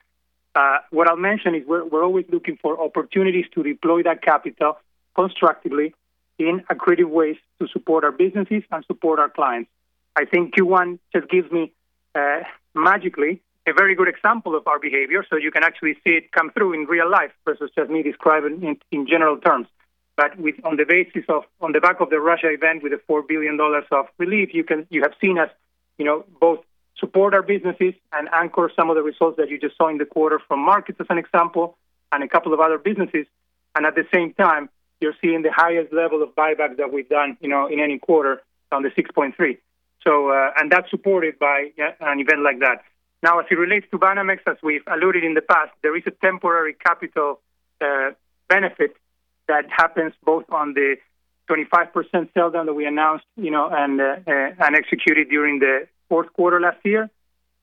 What I'll mention is we're always looking for opportunities to deploy that capital constructively in accretive ways to support our businesses and support our clients. I think Q1 just gives me, magically, a very good example of our behavior. You can actually see it come through in real life versus just me describing in general terms. On the back of the Russia event with the $4 billion of relief, you have seen us both support our businesses and anchor some of the results that you just saw in the quarter from Markets, as an example, and a couple of other businesses. At the same time, you're seeing the highest level of buybacks that we've done in any quarter on the 6.3. That's supported by an event like that. Now, as it relates to Banamex, as we've alluded in the past, there is a temporary capital benefit that happens both on the 25% sell-down that we announced and executed during the fourth quarter last year,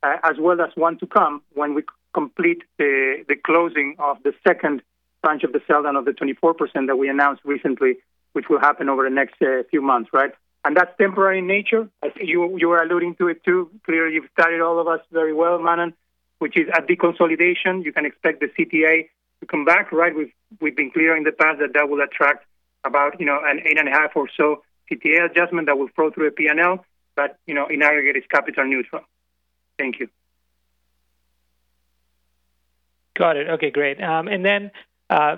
as well as one to come when we complete the closing of the second tranche of the sell-down of the 24% that we announced recently, which will happen over the next few months, right? That's temporary in nature. I think you were alluding to it, too. Clearly, you've studied all of us very well, Manan, which is at deconsolidation, you can expect the CTA to come back, right? We've been clear in the past that that will attract about an 8.5 or so CTA adjustment that will flow through the P&L. In aggregate, it's capital neutral. Thank you. Got it. Okay, great.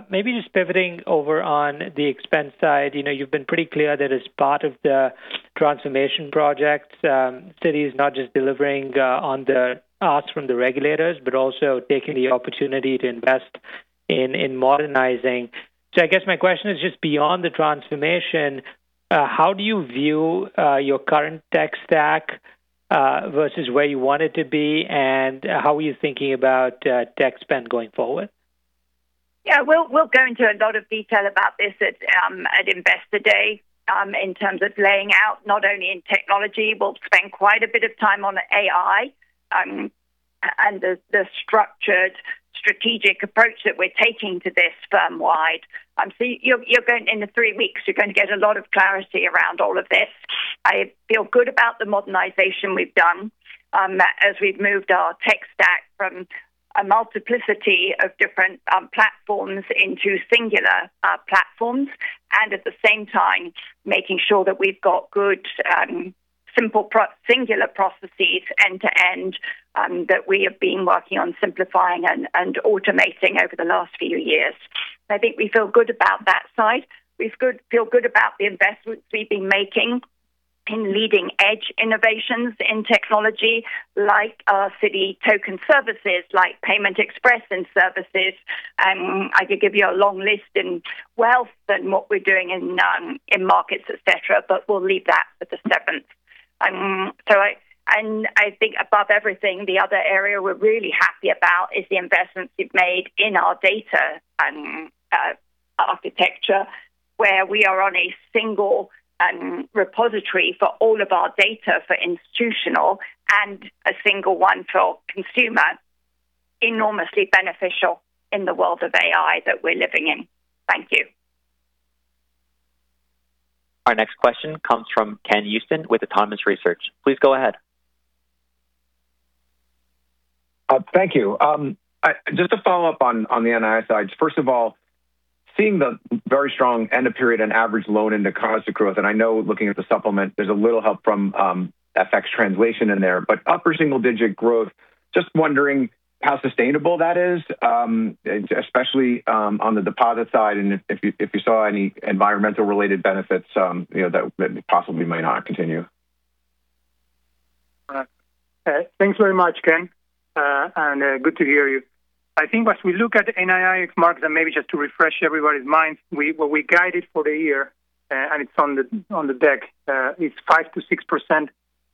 Maybe just pivoting over on the expense side, you've been pretty clear that as part of the transformation project, Citi is not just delivering on the asks from the regulators, but also taking the opportunity to invest in modernizing. I guess my question is just beyond the transformation, how do you view your current tech stack, versus where you want it to be? How are you thinking about tech spend going forward? Yeah, we'll go into a lot of detail about this at Investor Day in terms of laying out not only in technology, we'll spend quite a bit of time on AI and the structured strategic approach that we're taking to this firm-wide. In the three weeks, you're going to get a lot of clarity around all of this. I feel good about the modernization we've done, as we've moved our tech stack from a multiplicity of different platforms into singular platforms, at the same time making sure that we've got good, simple, singular processes end to end that we have been working on simplifying and automating over the last few years. I think we feel good about that side. We feel good about the investments we've been making in leading-edge innovations in technology like our Citi Token Services, like Payment Express and Services. I could give you a long list in Wealth and what we're doing in Markets, et cetera, but we'll leave that for the seventh. I think above everything, the other area we're really happy about is the investments we've made in our data and architecture, where we are on a single repository for all of our data for institutional and a single one for consumer, enormously beneficial in the world of AI that we're living in. Thank you. Our next question comes from Ken Usdin with Autonomous Research. Please go ahead. Thank you, just to follow up on the NII side. First of all, seeing the very strong end-of-period and average loan and deposit growth, I know looking at the supplement, there's a little help from FX translation in there. Upper single-digit growth, just wondering how sustainable that is, especially on the deposit side and if you saw any environmental-related benefits that possibly might not continue. All right. Thanks very much, Ken, and good to hear you. I think as we look at NII ex-markets, and maybe just to refresh everybody's minds, what we guided for the year, and it's on the deck, it's 5%-6%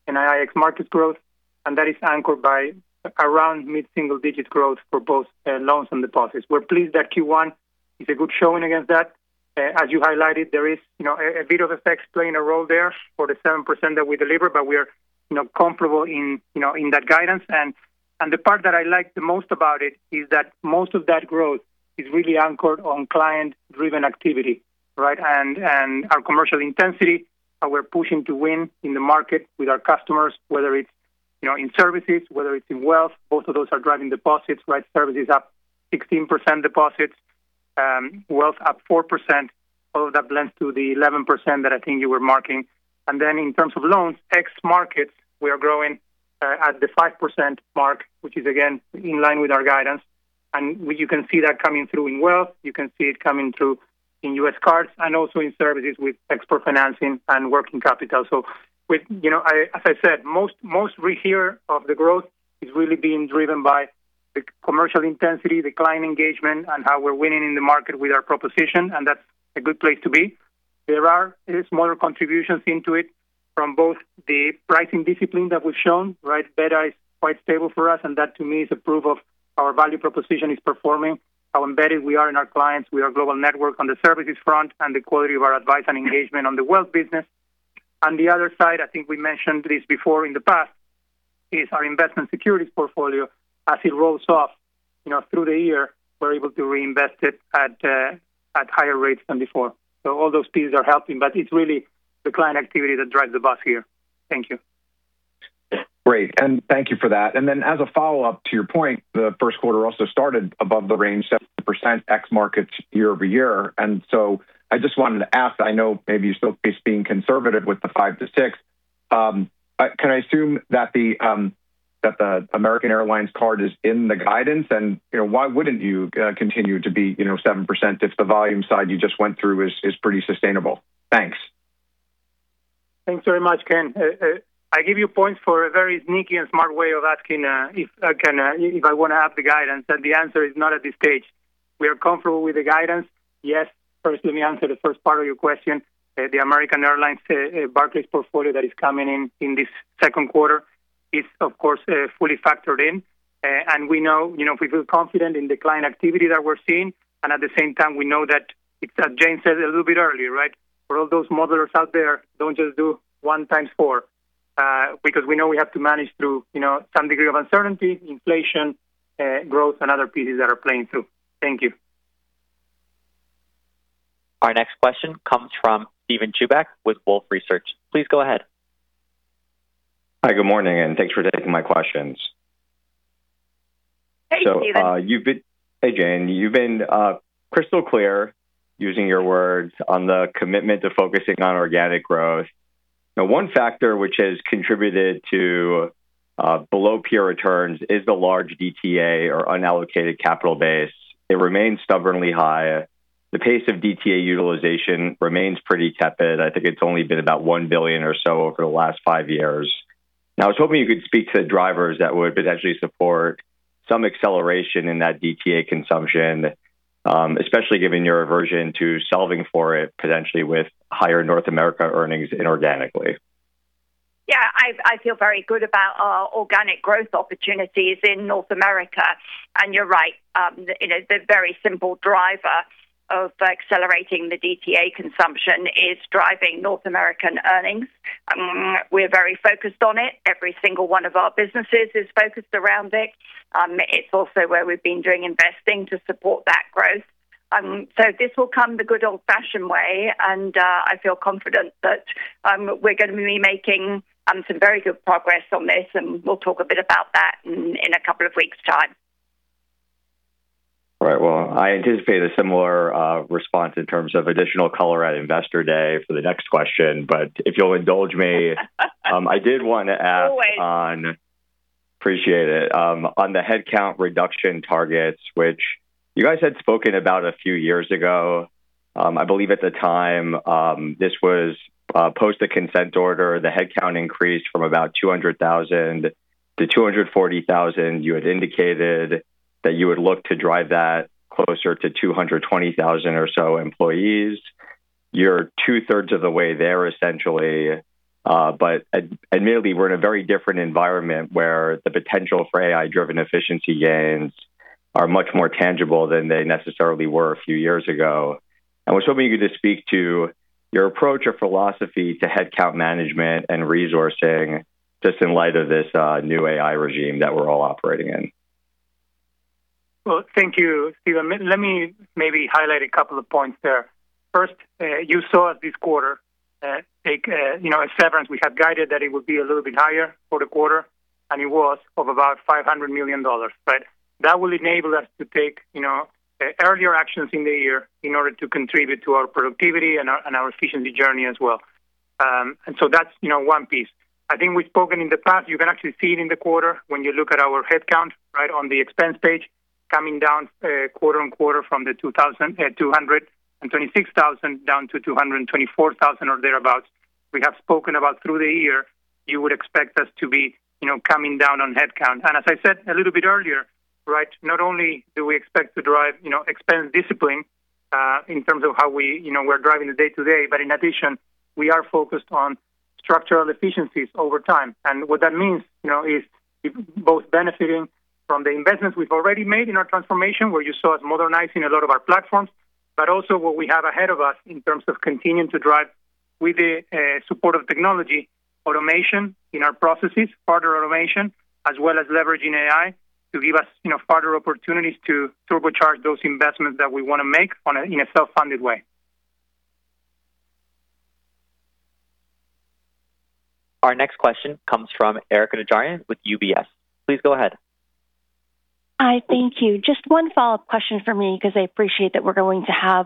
NII ex-markets growth, and that is anchored by around mid-single-digit growth for both loans and deposits. We're pleased that Q1 is a good showing against that. As you highlighted, there is a bit of FX playing a role there for the 7% that we delivered, but we are comfortable in that guidance. The part that I like the most about it is that most of that growth is really anchored on client-driven activity, right? Our commercial intensity, how we're pushing to win in the market with our customers, whether it's in Services, whether it's in Wealth, both of those are driving deposits. Services up 16%, deposits, Wealth up 4%, all of that blends to the 11% that I think you were marking. In terms of loans, ex-markets, we are growing at the 5% mark, which is again, in line with our guidance. You can see that coming through in Wealth. You can see it coming through in U.S. Cards and also in Services with export financing and working capital. As I said, most here of the growth is really being driven by the commercial intensity, the client engagement, and how we're winning in the market with our proposition, and that's a good place to be. There are smaller contributions into it from both the pricing discipline that we've shown, right? Beta is quite stable for us. That to me is a proof of our value proposition is performing, how embedded we are in our clients with our global network on the Services front, and the quality of our advice and engagement on the Wealth business. On the other side, I think we mentioned this before in the past, is our investment securities portfolio. As it rolls off through the year, we're able to reinvest it at higher rates than before. All those pieces are helping, but it's really the client activity that drives the bus here. Thank you. Great. And thank you for that. And then as a follow-up to your point, the first quarter also started above the range 7% ex markets year-over-year. And so I just wanted to ask, I know maybe you still face being conservative with the five to six. Can I assume that the American Airlines card is in the guidance? And why wouldn't you continue to be 7% if the volume side you just went through is pretty sustainable? Thanks. Thanks very much, Ken. I give you points for a very sneaky and smart way of asking if I want to have the guidance, and the answer is not at this stage. We are comfortable with the guidance. Yes. First let me answer the first part of your question. The American Airlines Barclays portfolio that is coming in in this second quarter is, of course, fully factored in. We feel confident in the client activity that we're seeing. At the same time, we know that it's as Jane said a little bit earlier. For all those modelers out there, don't just do one times four, because we know we have to manage through some degree of uncertainty, inflation, growth, and other pieces that are playing too. Thank you. Our next question comes from Steven Chubak with Wolfe Research. Please go ahead. Hi, good morning, and thanks for taking my questions. Hey, Steven. Hey, Jane. You've been crystal clear, using your words, on the commitment to focusing on organic growth. Now, one factor which has contributed to below peer returns is the large DTA or unallocated capital base. It remains stubbornly high. The pace of DTA utilization remains pretty tepid. I think it's only been about $1 billion or so over the last five years. Now, I was hoping you could speak to the drivers that would potentially support some acceleration in that DTA consumption, especially given your aversion to solving for it potentially with higher North America earnings inorganically. Yeah, I feel very good about our organic growth opportunities in North America. You're right. The very simple driver of accelerating the DTA consumption is driving North American earnings. We're very focused on it. Every single one of our businesses is focused around it. It's also where we've been doing investing to support that growth. This will come the good old-fashioned way, and I feel confident that we're going to be making some very good progress on this, and we'll talk a bit about that in a couple of weeks' time. All right. Well, I anticipate a similar response in terms of additional color at Investor Day for the next question, but if you'll indulge me. Always. I did want to ask, appreciate it, on the headcount reduction targets, which you guys had spoken about a few years ago. I believe at the time, this was post a consent order. The headcount increased from about 200,000 to 240,000. You had indicated that you would look to drive that closer to 220,000 or so employees. You're two-thirds of the way there, essentially. Admittedly, we're in a very different environment where the potential for AI-driven efficiency gains are much more tangible than they necessarily were a few years ago. I was hoping you could just speak to your approach or philosophy to headcount management and resourcing just in light of this new AI regime that we're all operating in. Well, thank you, Steven. Let me maybe highlight a couple of points there. First, you saw this quarter, take a severance. We had guided that it would be a little bit higher for the quarter, and it was of about $500 million. That will enable us to take earlier actions in the year in order to contribute to our productivity and our efficiency journey as well. That's one piece. I think we've spoken in the past. You can actually see it in the quarter when you look at our headcount on the expense page, coming down quarter-on-quarter from the 226,000 down to 224,000 or thereabout. We have spoken about through the year. You would expect us to be coming down on headcount. As I said a little bit earlier, not only do we expect to drive expense discipline in terms of how we're driving the day-to-day, but in addition, we are focused on structural efficiencies over time. What that means is both benefiting from the investments we've already made in our transformation, where you saw us modernizing a lot of our platforms, but also what we have ahead of us in terms of continuing to drive with the support of technology, automation in our processes, further automation, as well as leveraging AI to give us further opportunities to turbocharge those investments that we want to make in a self-funded way. Our next question comes from Erika Najarian with UBS. Please go ahead. Hi, thank you. Just one follow-up question from me because I appreciate that we're going to have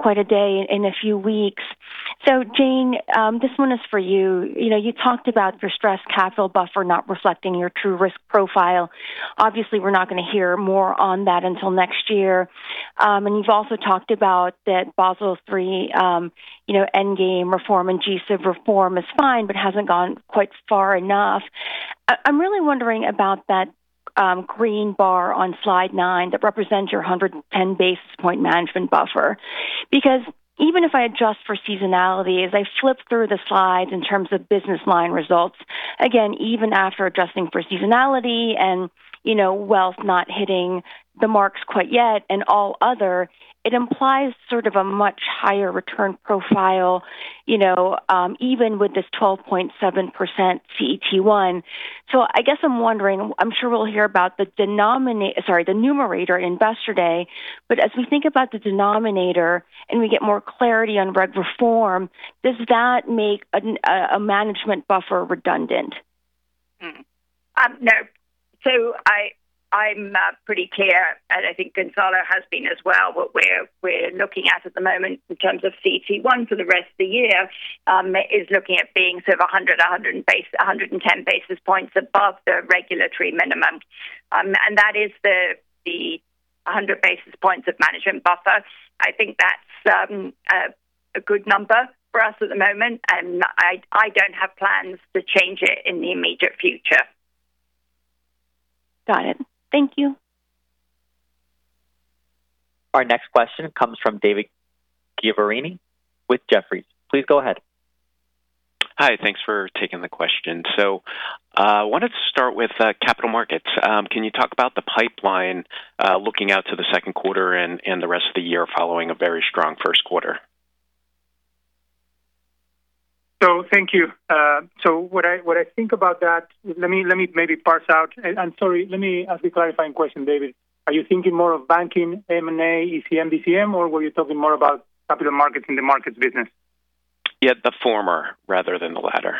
quite a day in a few weeks. Jane, this one is for you. You talked about your stress capital buffer not reflecting your true risk profile. Obviously, we're not going to hear more on that until next year. You've also talked about that Basel III endgame reform and G-SIB reform is fine, but hasn't gone quite far enough. I'm really wondering about that green bar on slide nine that represents your 110 basis point management buffer. Because even if I adjust for seasonality, as I flip through the slides in terms of business line results, again, even after adjusting for seasonality and wealth not hitting the marks quite yet and all other, it implies sort of a much higher return profile, even with this 12.7% CET1. I guess I'm wondering, I'm sure we'll hear about the numerator in Investor Day, but as we think about the denominator and we get more clarity on reg reform, does that make a management buffer redundant? No. I'm pretty clear, and I think Gonzalo has been as well, what we're looking at at the moment in terms of CET1 for the rest of the year, is looking at being sort of 100-110 basis points above the regulatory minimum. That is the 100 basis points of management buffer. I think that's a good number for us at the moment, and I don't have plans to change it in the immediate future. Got it. Thank you. Our next question comes from David Chiaverini with Jefferies. Please go ahead. Hi, thanks for taking the question. I wanted to start with capital markets. Can you talk about the pipeline looking out to the second quarter and the rest of the year following a very strong first quarter? Thank you. What I think about that, let me maybe parse out. I'm sorry, let me ask a clarifying question, David. Are you thinking more of banking, M&A, ECM, DCM, or were you talking more about capital markets in the markets business? Yeah, the former rather than the latter.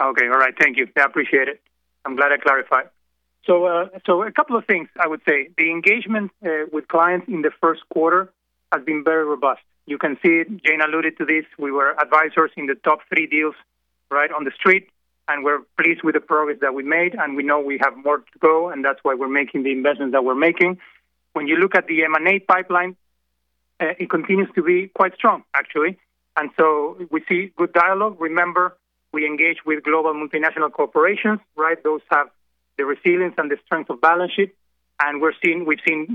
Okay. All right. Thank you. I appreciate it. I'm glad I clarified. A couple of things I would say. The engagement with clients in the first quarter has been very robust. You can see, Jane alluded to this, we were advisors in the top three deals right on the street, and we're pleased with the progress that we made, and we know we have more to go, and that's why we're making the investments that we're making. When you look at the M&A pipeline, it continues to be quite strong, actually. We see good dialogue. Remember, we engage with global multinational corporations. Those have the resilience and the strength of balance sheet. We're seeing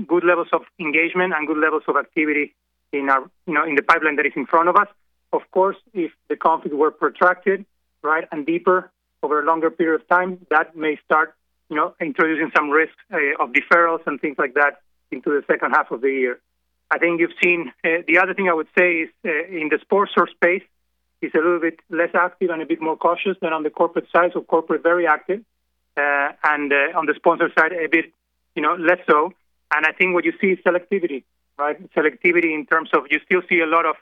good levels of engagement and good levels of activity in the pipeline that is in front of us. Of course, if the conflict were protracted and deeper over a longer period of time, that may start introducing some risks of deferrals and things like that into the second half of the year. The other thing I would say is in the sponsor space, it's a little bit less active and a bit more cautious than on the corporate side. Corporate, very active, and on the sponsor side, a bit less so. I think what you see is selectivity in terms of you still see a lot of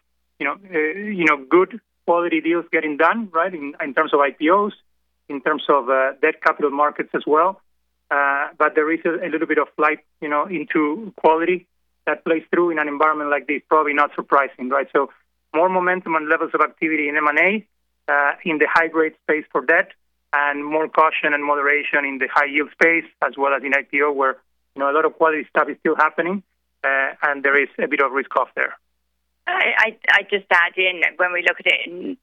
good quality deals getting done in terms of IPOs, in terms of debt capital markets as well. There is a little bit of flight into quality that plays through in an environment like this, probably not surprising. More momentum and levels of activity in M&A, in the high-grade space for debt, and more caution and moderation in the high-yield space, as well as in IPO, where a lot of quality stuff is still happening, and there is a bit of risk-off there. I just add in when we look at it, and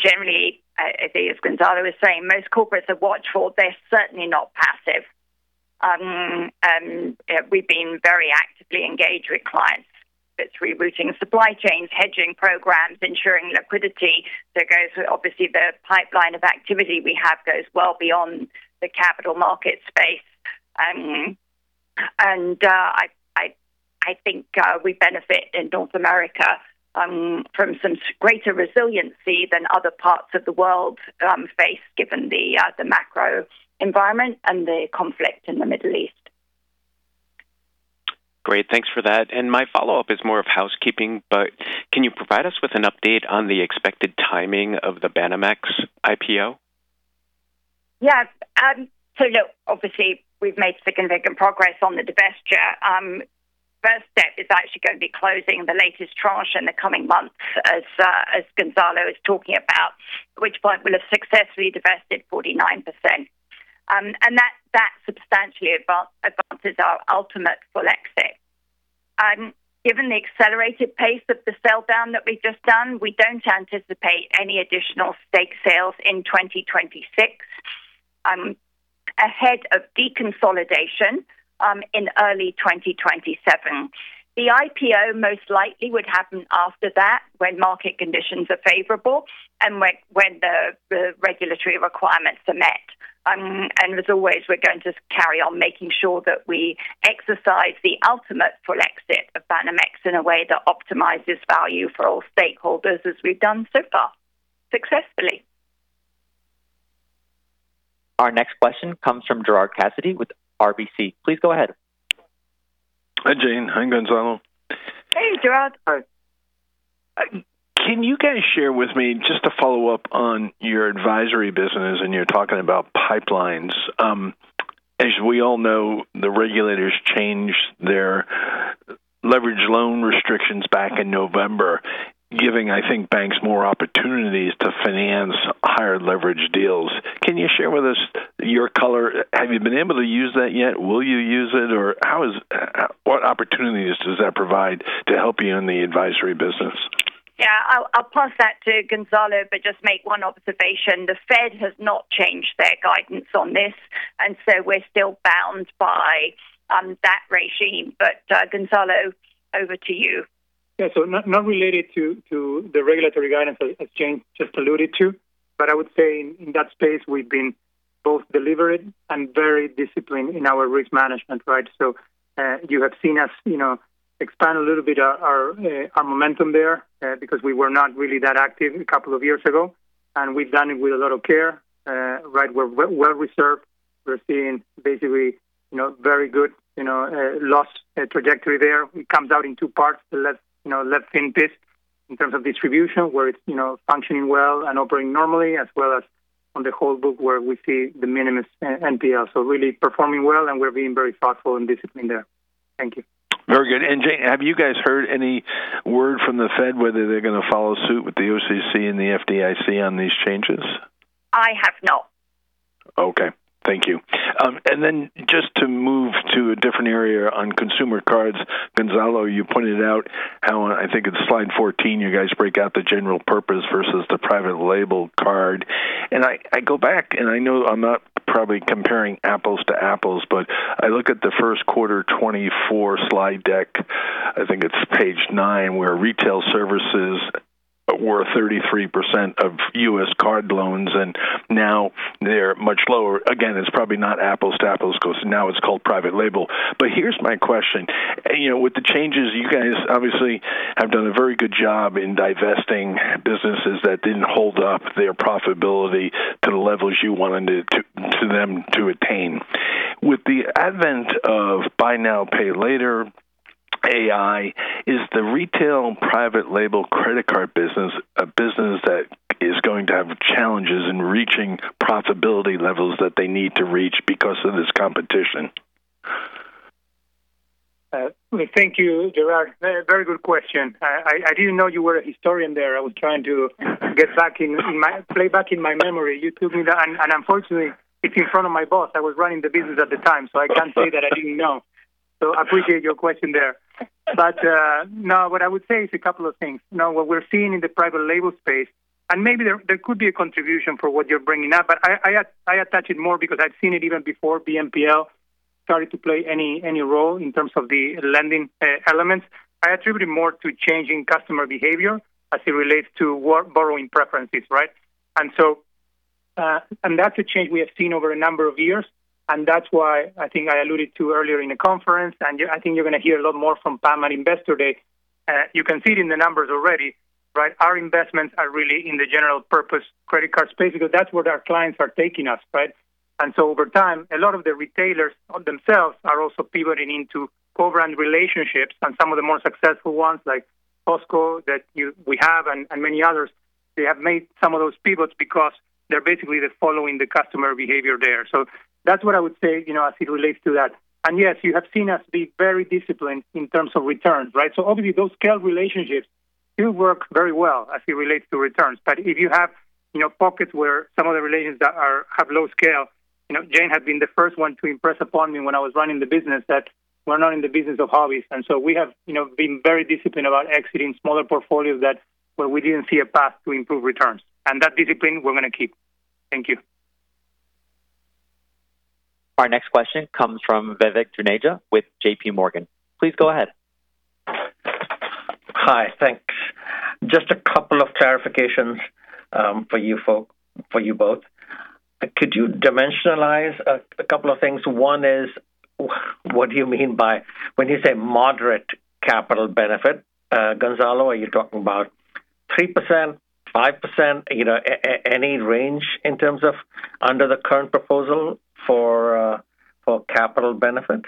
generally, I think as Gonzalo was saying, most corporates are watchful. They're certainly not passive. We've been very actively engaged with clients. That's rerouting supply chains, hedging programs, ensuring liquidity. Obviously the pipeline of activity we have goes well beyond the capital market space. I think we benefit in North America from some greater resiliency than other parts of the world face given the macro environment and the conflict in the Middle East. Great. Thanks for that. My follow-up is more of housekeeping, but can you provide us with an update on the expected timing of the Banamex IPO? Yeah. Look, obviously, we've made significant progress on the divestiture. First step is actually going to be closing the latest tranche in the coming months, as Gonzalo is talking about, at which point we'll have successfully divested 49%. That substantially advances our ultimate full exit. Given the accelerated pace of the sell-down that we've just done, we don't anticipate any additional stake sales in 2026, ahead of deconsolidation in early 2027. The IPO most likely would happen after that when market conditions are favorable and when the regulatory requirements are met. As always, we're going to carry on making sure that we exercise the ultimate full exit of Banamex in a way that optimizes value for all stakeholders as we've done so far successfully. Our next question comes from Gerard Cassidy with RBC. Please go ahead. Hi, Jane. Hi, Gonzalo. Hey, Gerard. Can you guys share with me, just to follow up on your advisory business? You're talking about pipelines. As we all know, the regulators changed their leveraged loan restrictions back in November, giving, I think, banks more opportunities to finance higher leverage deals. Can you share with us your color? Have you been able to use that yet? Will you use it? What opportunities does that provide to help you in the advisory business? Yeah, I'll pass that to Gonzalo, but just make one observation. The Fed has not changed their guidance on this, and so we're still bound by that regime. Gonzalo, over to you. Yeah. Not related to the regulatory guidance as Jane just alluded to, but I would say in that space, we've been both deliberate and very disciplined in our risk management, right? You have seen us expand a little bit our momentum there because we were not really that active a couple of years ago, and we've done it with a lot of care. We're well reserved. We're seeing basically very good loss trajectory there. It comes out in two parts, the left-hand bit in terms of distribution, where it's functioning well and operating normally as well as on the whole book where we see de minimis NPL. Really performing well, and we're being very thoughtful and disciplined there. Thank you. Very good. Jane, have you guys heard any word from the Fed whether they're going to follow suit with the OCC and the FDIC on these changes? I have not. Okay. Thank you. Just to move to a different area on consumer cards, Gonzalo, you pointed out how, I think it's slide 14, you guys break out the general purpose versus the private label card. I go back, and I know I'm not probably comparing apples to apples, but I look at the first quarter 2024 slide deck, I think it's page nine, where retail services were 33% of U.S. card loans, and now they're much lower. Again, it's probably not apples to apples because now it's called private label. Here's my question. With the changes, you guys obviously have done a very good job in divesting businesses that didn't hold up their profitability to the levels you wanted them to attain. With the advent of buy now, pay later, AI, is the retail private label credit card business a business that is going to have challenges in reaching profitability levels that they need to reach because of this competition? Thank you, Gerard. Very good question. I didn't know you were a historian there. I was trying to play back in my memory. You took me down, and unfortunately, it's in front of my boss. I was running the business at the time, so I can't say that I didn't know. I appreciate your question there. No, what I would say is a couple of things. Now, what we're seeing in the private label space, and maybe there could be a contribution for what you're bringing up, but I attach it more because I've seen it even before BNPL started to play any role in terms of the lending elements. I attribute it more to changing customer behavior as it relates to borrowing preferences, right? That's a change we have seen over a number of years, and that's why I think I alluded to earlier in the conference, and I think you're going to hear a lot more from Pam at Investor Day. You can see it in the numbers already. Our investments are really in the general purpose credit card space because that's where our clients are taking us, right? Over time, a lot of the retailers themselves are also pivoting into co-brand relationships and some of the more successful ones like Costco that we have and many others, they have made some of those pivots because they're basically following the customer behavior there. That's what I would say as it relates to that. Yes, you have seen us be very disciplined in terms of returns, right? Obviously those scale relationships do work very well as it relates to returns. If you have pockets where some of the relations have low scale, Jane has been the first one to impress upon me when I was running the business that we're not in the business of hobbies. We have been very disciplined about exiting smaller portfolios where we didn't see a path to improve returns. That discipline we're going to keep. Thank you. Our next question comes from Vivek Juneja with JPMorgan. Please go ahead. Hi. Thanks. Just a couple of clarifications for you both. Could you dimensionalize a couple of things? One is, what do you mean by when you say moderate capital benefit, Gonzalo? Are you talking about 3%-5%? Any range in terms of under the current proposal for capital benefit?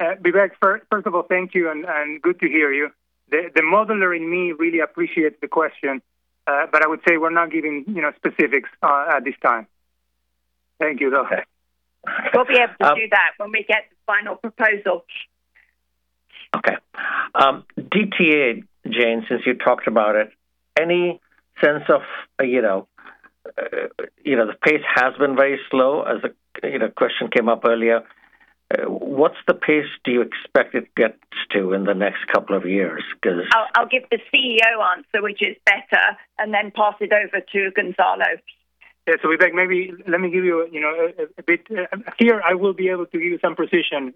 Vivek, first of all, thank you, and good to hear you. The modeler in me really appreciates the question, but I would say we're not giving specifics at this time. Thank you. Okay. We'll be able to do that when we get the final proposal. Okay. DTA, Jane, since you talked about it, the pace has been very slow, as a question came up earlier. What's the pace do you expect it gets to in the next couple of years? I'll give the CEO answer, which is better, and then pass it over to Gonzalo. Yeah. Vivek, maybe let me give you a bit here. I will be able to give you some precision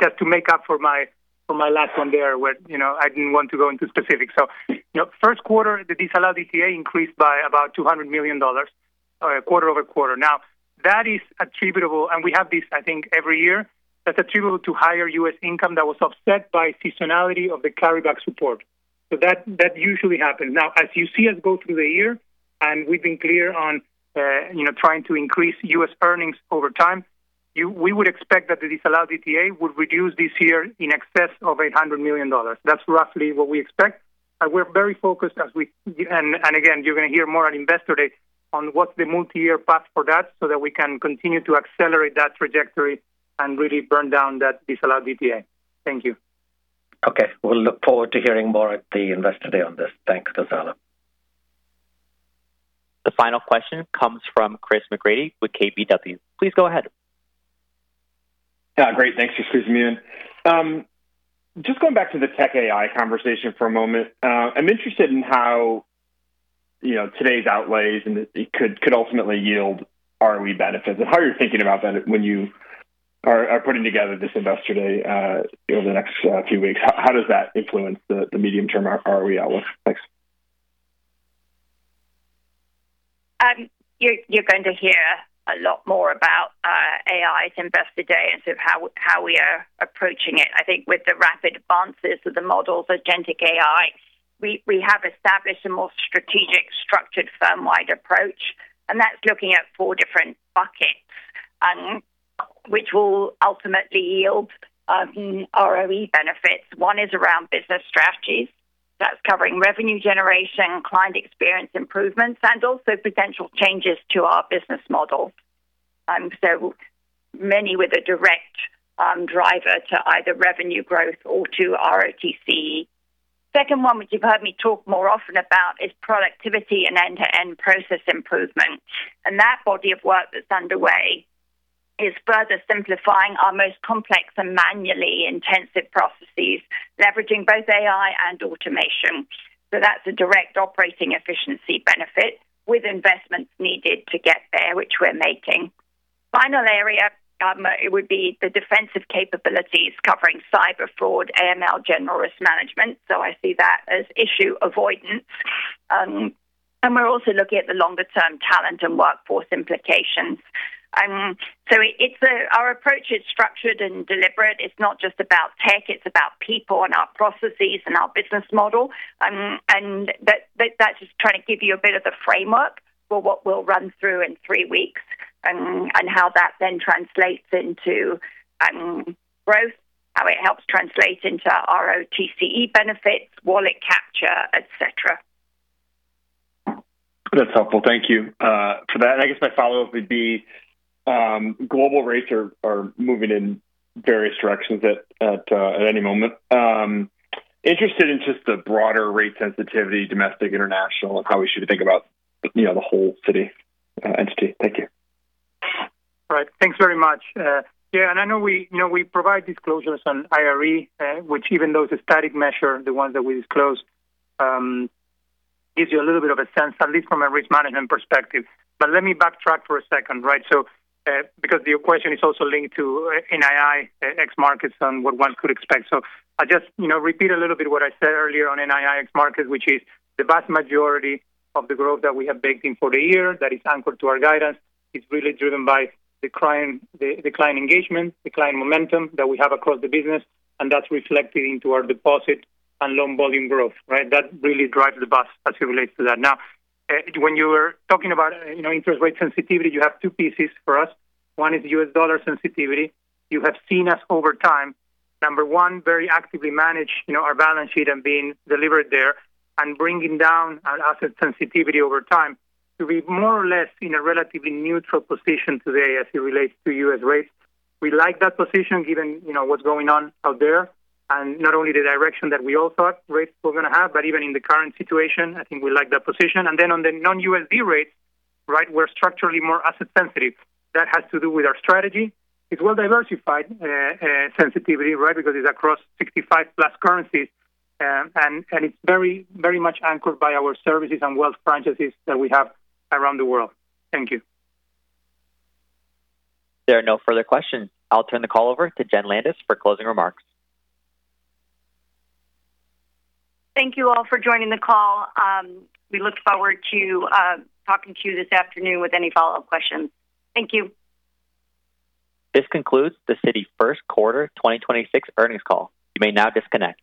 just to make up for my last one there, where I didn't want to go into specifics. First quarter, the disallowed DTA increased by about $200 million quarter-over-quarter. Now that is attributable, and we have this, I think every year, that's attributable to higher U.S. income that was offset by seasonality of the carryback support. That usually happens. Now as you see us go through the year, and we've been clear on trying to increase U.S. earnings over time, we would expect that the disallowed DTA would reduce this year in excess of $800 million. That's roughly what we expect, and we're very focused. Again, you're going to hear more on Investor Day on what's the multi-year path for that, so that we can continue to accelerate that trajectory and really burn down that disallowed DTA. Thank you. Okay. We'll look forward to hearing more at the Investor Day on this. Thanks, Gonzalo. The final question comes from Chris McGratty with KBW. Please go ahead. Yeah. Great. Thanks for squeezing me in. Just going back to the tech AI conversation for a moment, I'm interested in how today's outlays could ultimately yield ROE benefits and how you're thinking about that when you are putting together this Investor Day over the next few weeks. How does that influence the medium-term ROE outlook? Thanks. You're going to hear a lot more about AI at Investor Day and sort of how we are approaching it. I think with the rapid advances of the models, agentic AI, we have established a more strategic, structured, firm-wide approach, and that's looking at four different buckets, which will ultimately yield ROE benefits. One is around business strategies. That's covering revenue generation, client experience improvements, and also potential changes to our business model, many with a direct driver to either revenue growth or to ROTCE. Second one, which you've heard me talk more often about, is productivity and end-to-end process improvement. That body of work that's underway is further simplifying our most complex and manually intensive processes, leveraging both AI and automation. That's a direct operating efficiency benefit with investments needed to get there, which we're making. Final area, it would be the defensive capabilities covering cyber fraud, AML, general risk management. I see that as issue avoidance. We're also looking at the longer term talent and workforce implications. Our approach is structured and deliberate. It's not just about tech, it's about people and our processes and our business model. That's just trying to give you a bit of the framework for what we'll run through in three weeks and how that then translates into growth, how it helps translate into ROTCE benefits, wallet capture, et cetera. That's helpful. Thank you for that. I guess my follow-up would be, global rates are moving in various directions at any moment. Interested in just the broader rate sensitivity, domestic, international, and how we should think about the whole Citi entity. Thank you. Right. Thanks very much. Yeah, I know we provide disclosures on IReF, which even though it's a static measure, the ones that we disclose gives you a little bit of a sense, at least from a risk management perspective. Let me backtrack for a second, right? Because your question is also linked to NII ex-markets and what one could expect. I just repeat a little bit what I said earlier on NII ex-markets, which is the vast majority of the growth that we have baked in for the year that is anchored to our guidance is really driven by the client engagement, the client momentum that we have across the business, and that's reflected into our deposit and loan volume growth, right? That really drives the bus as it relates to that. Now, when you were talking about interest rate sensitivity, you have two pieces for us. One is U.S. dollar sensitivity. You have seen us over time, number one, very actively manage our balance sheet and being deliberate there and bringing down our asset sensitivity over time to be more or less in a relatively neutral position today as it relates to U.S. rates. We like that position given what's going on out there and not only the direction that we all thought rates were going to have, but even in the current situation, I think we like that position. On the non-USD rates, right, we're structurally more asset sensitive. That has to do with our strategy. It's well-diversified sensitivity, right? Because it's across 65+ currencies and it's very much anchored by our Services and Wealth franchises that we have around the world. Thank you. There are no further questions. I'll turn the call over to Jenn Landis for closing remarks. Thank you all for joining the call. We look forward to talking to you this afternoon with any follow-up questions. Thank you. This concludes the Citi first quarter 2026 earnings call. You may now disconnect.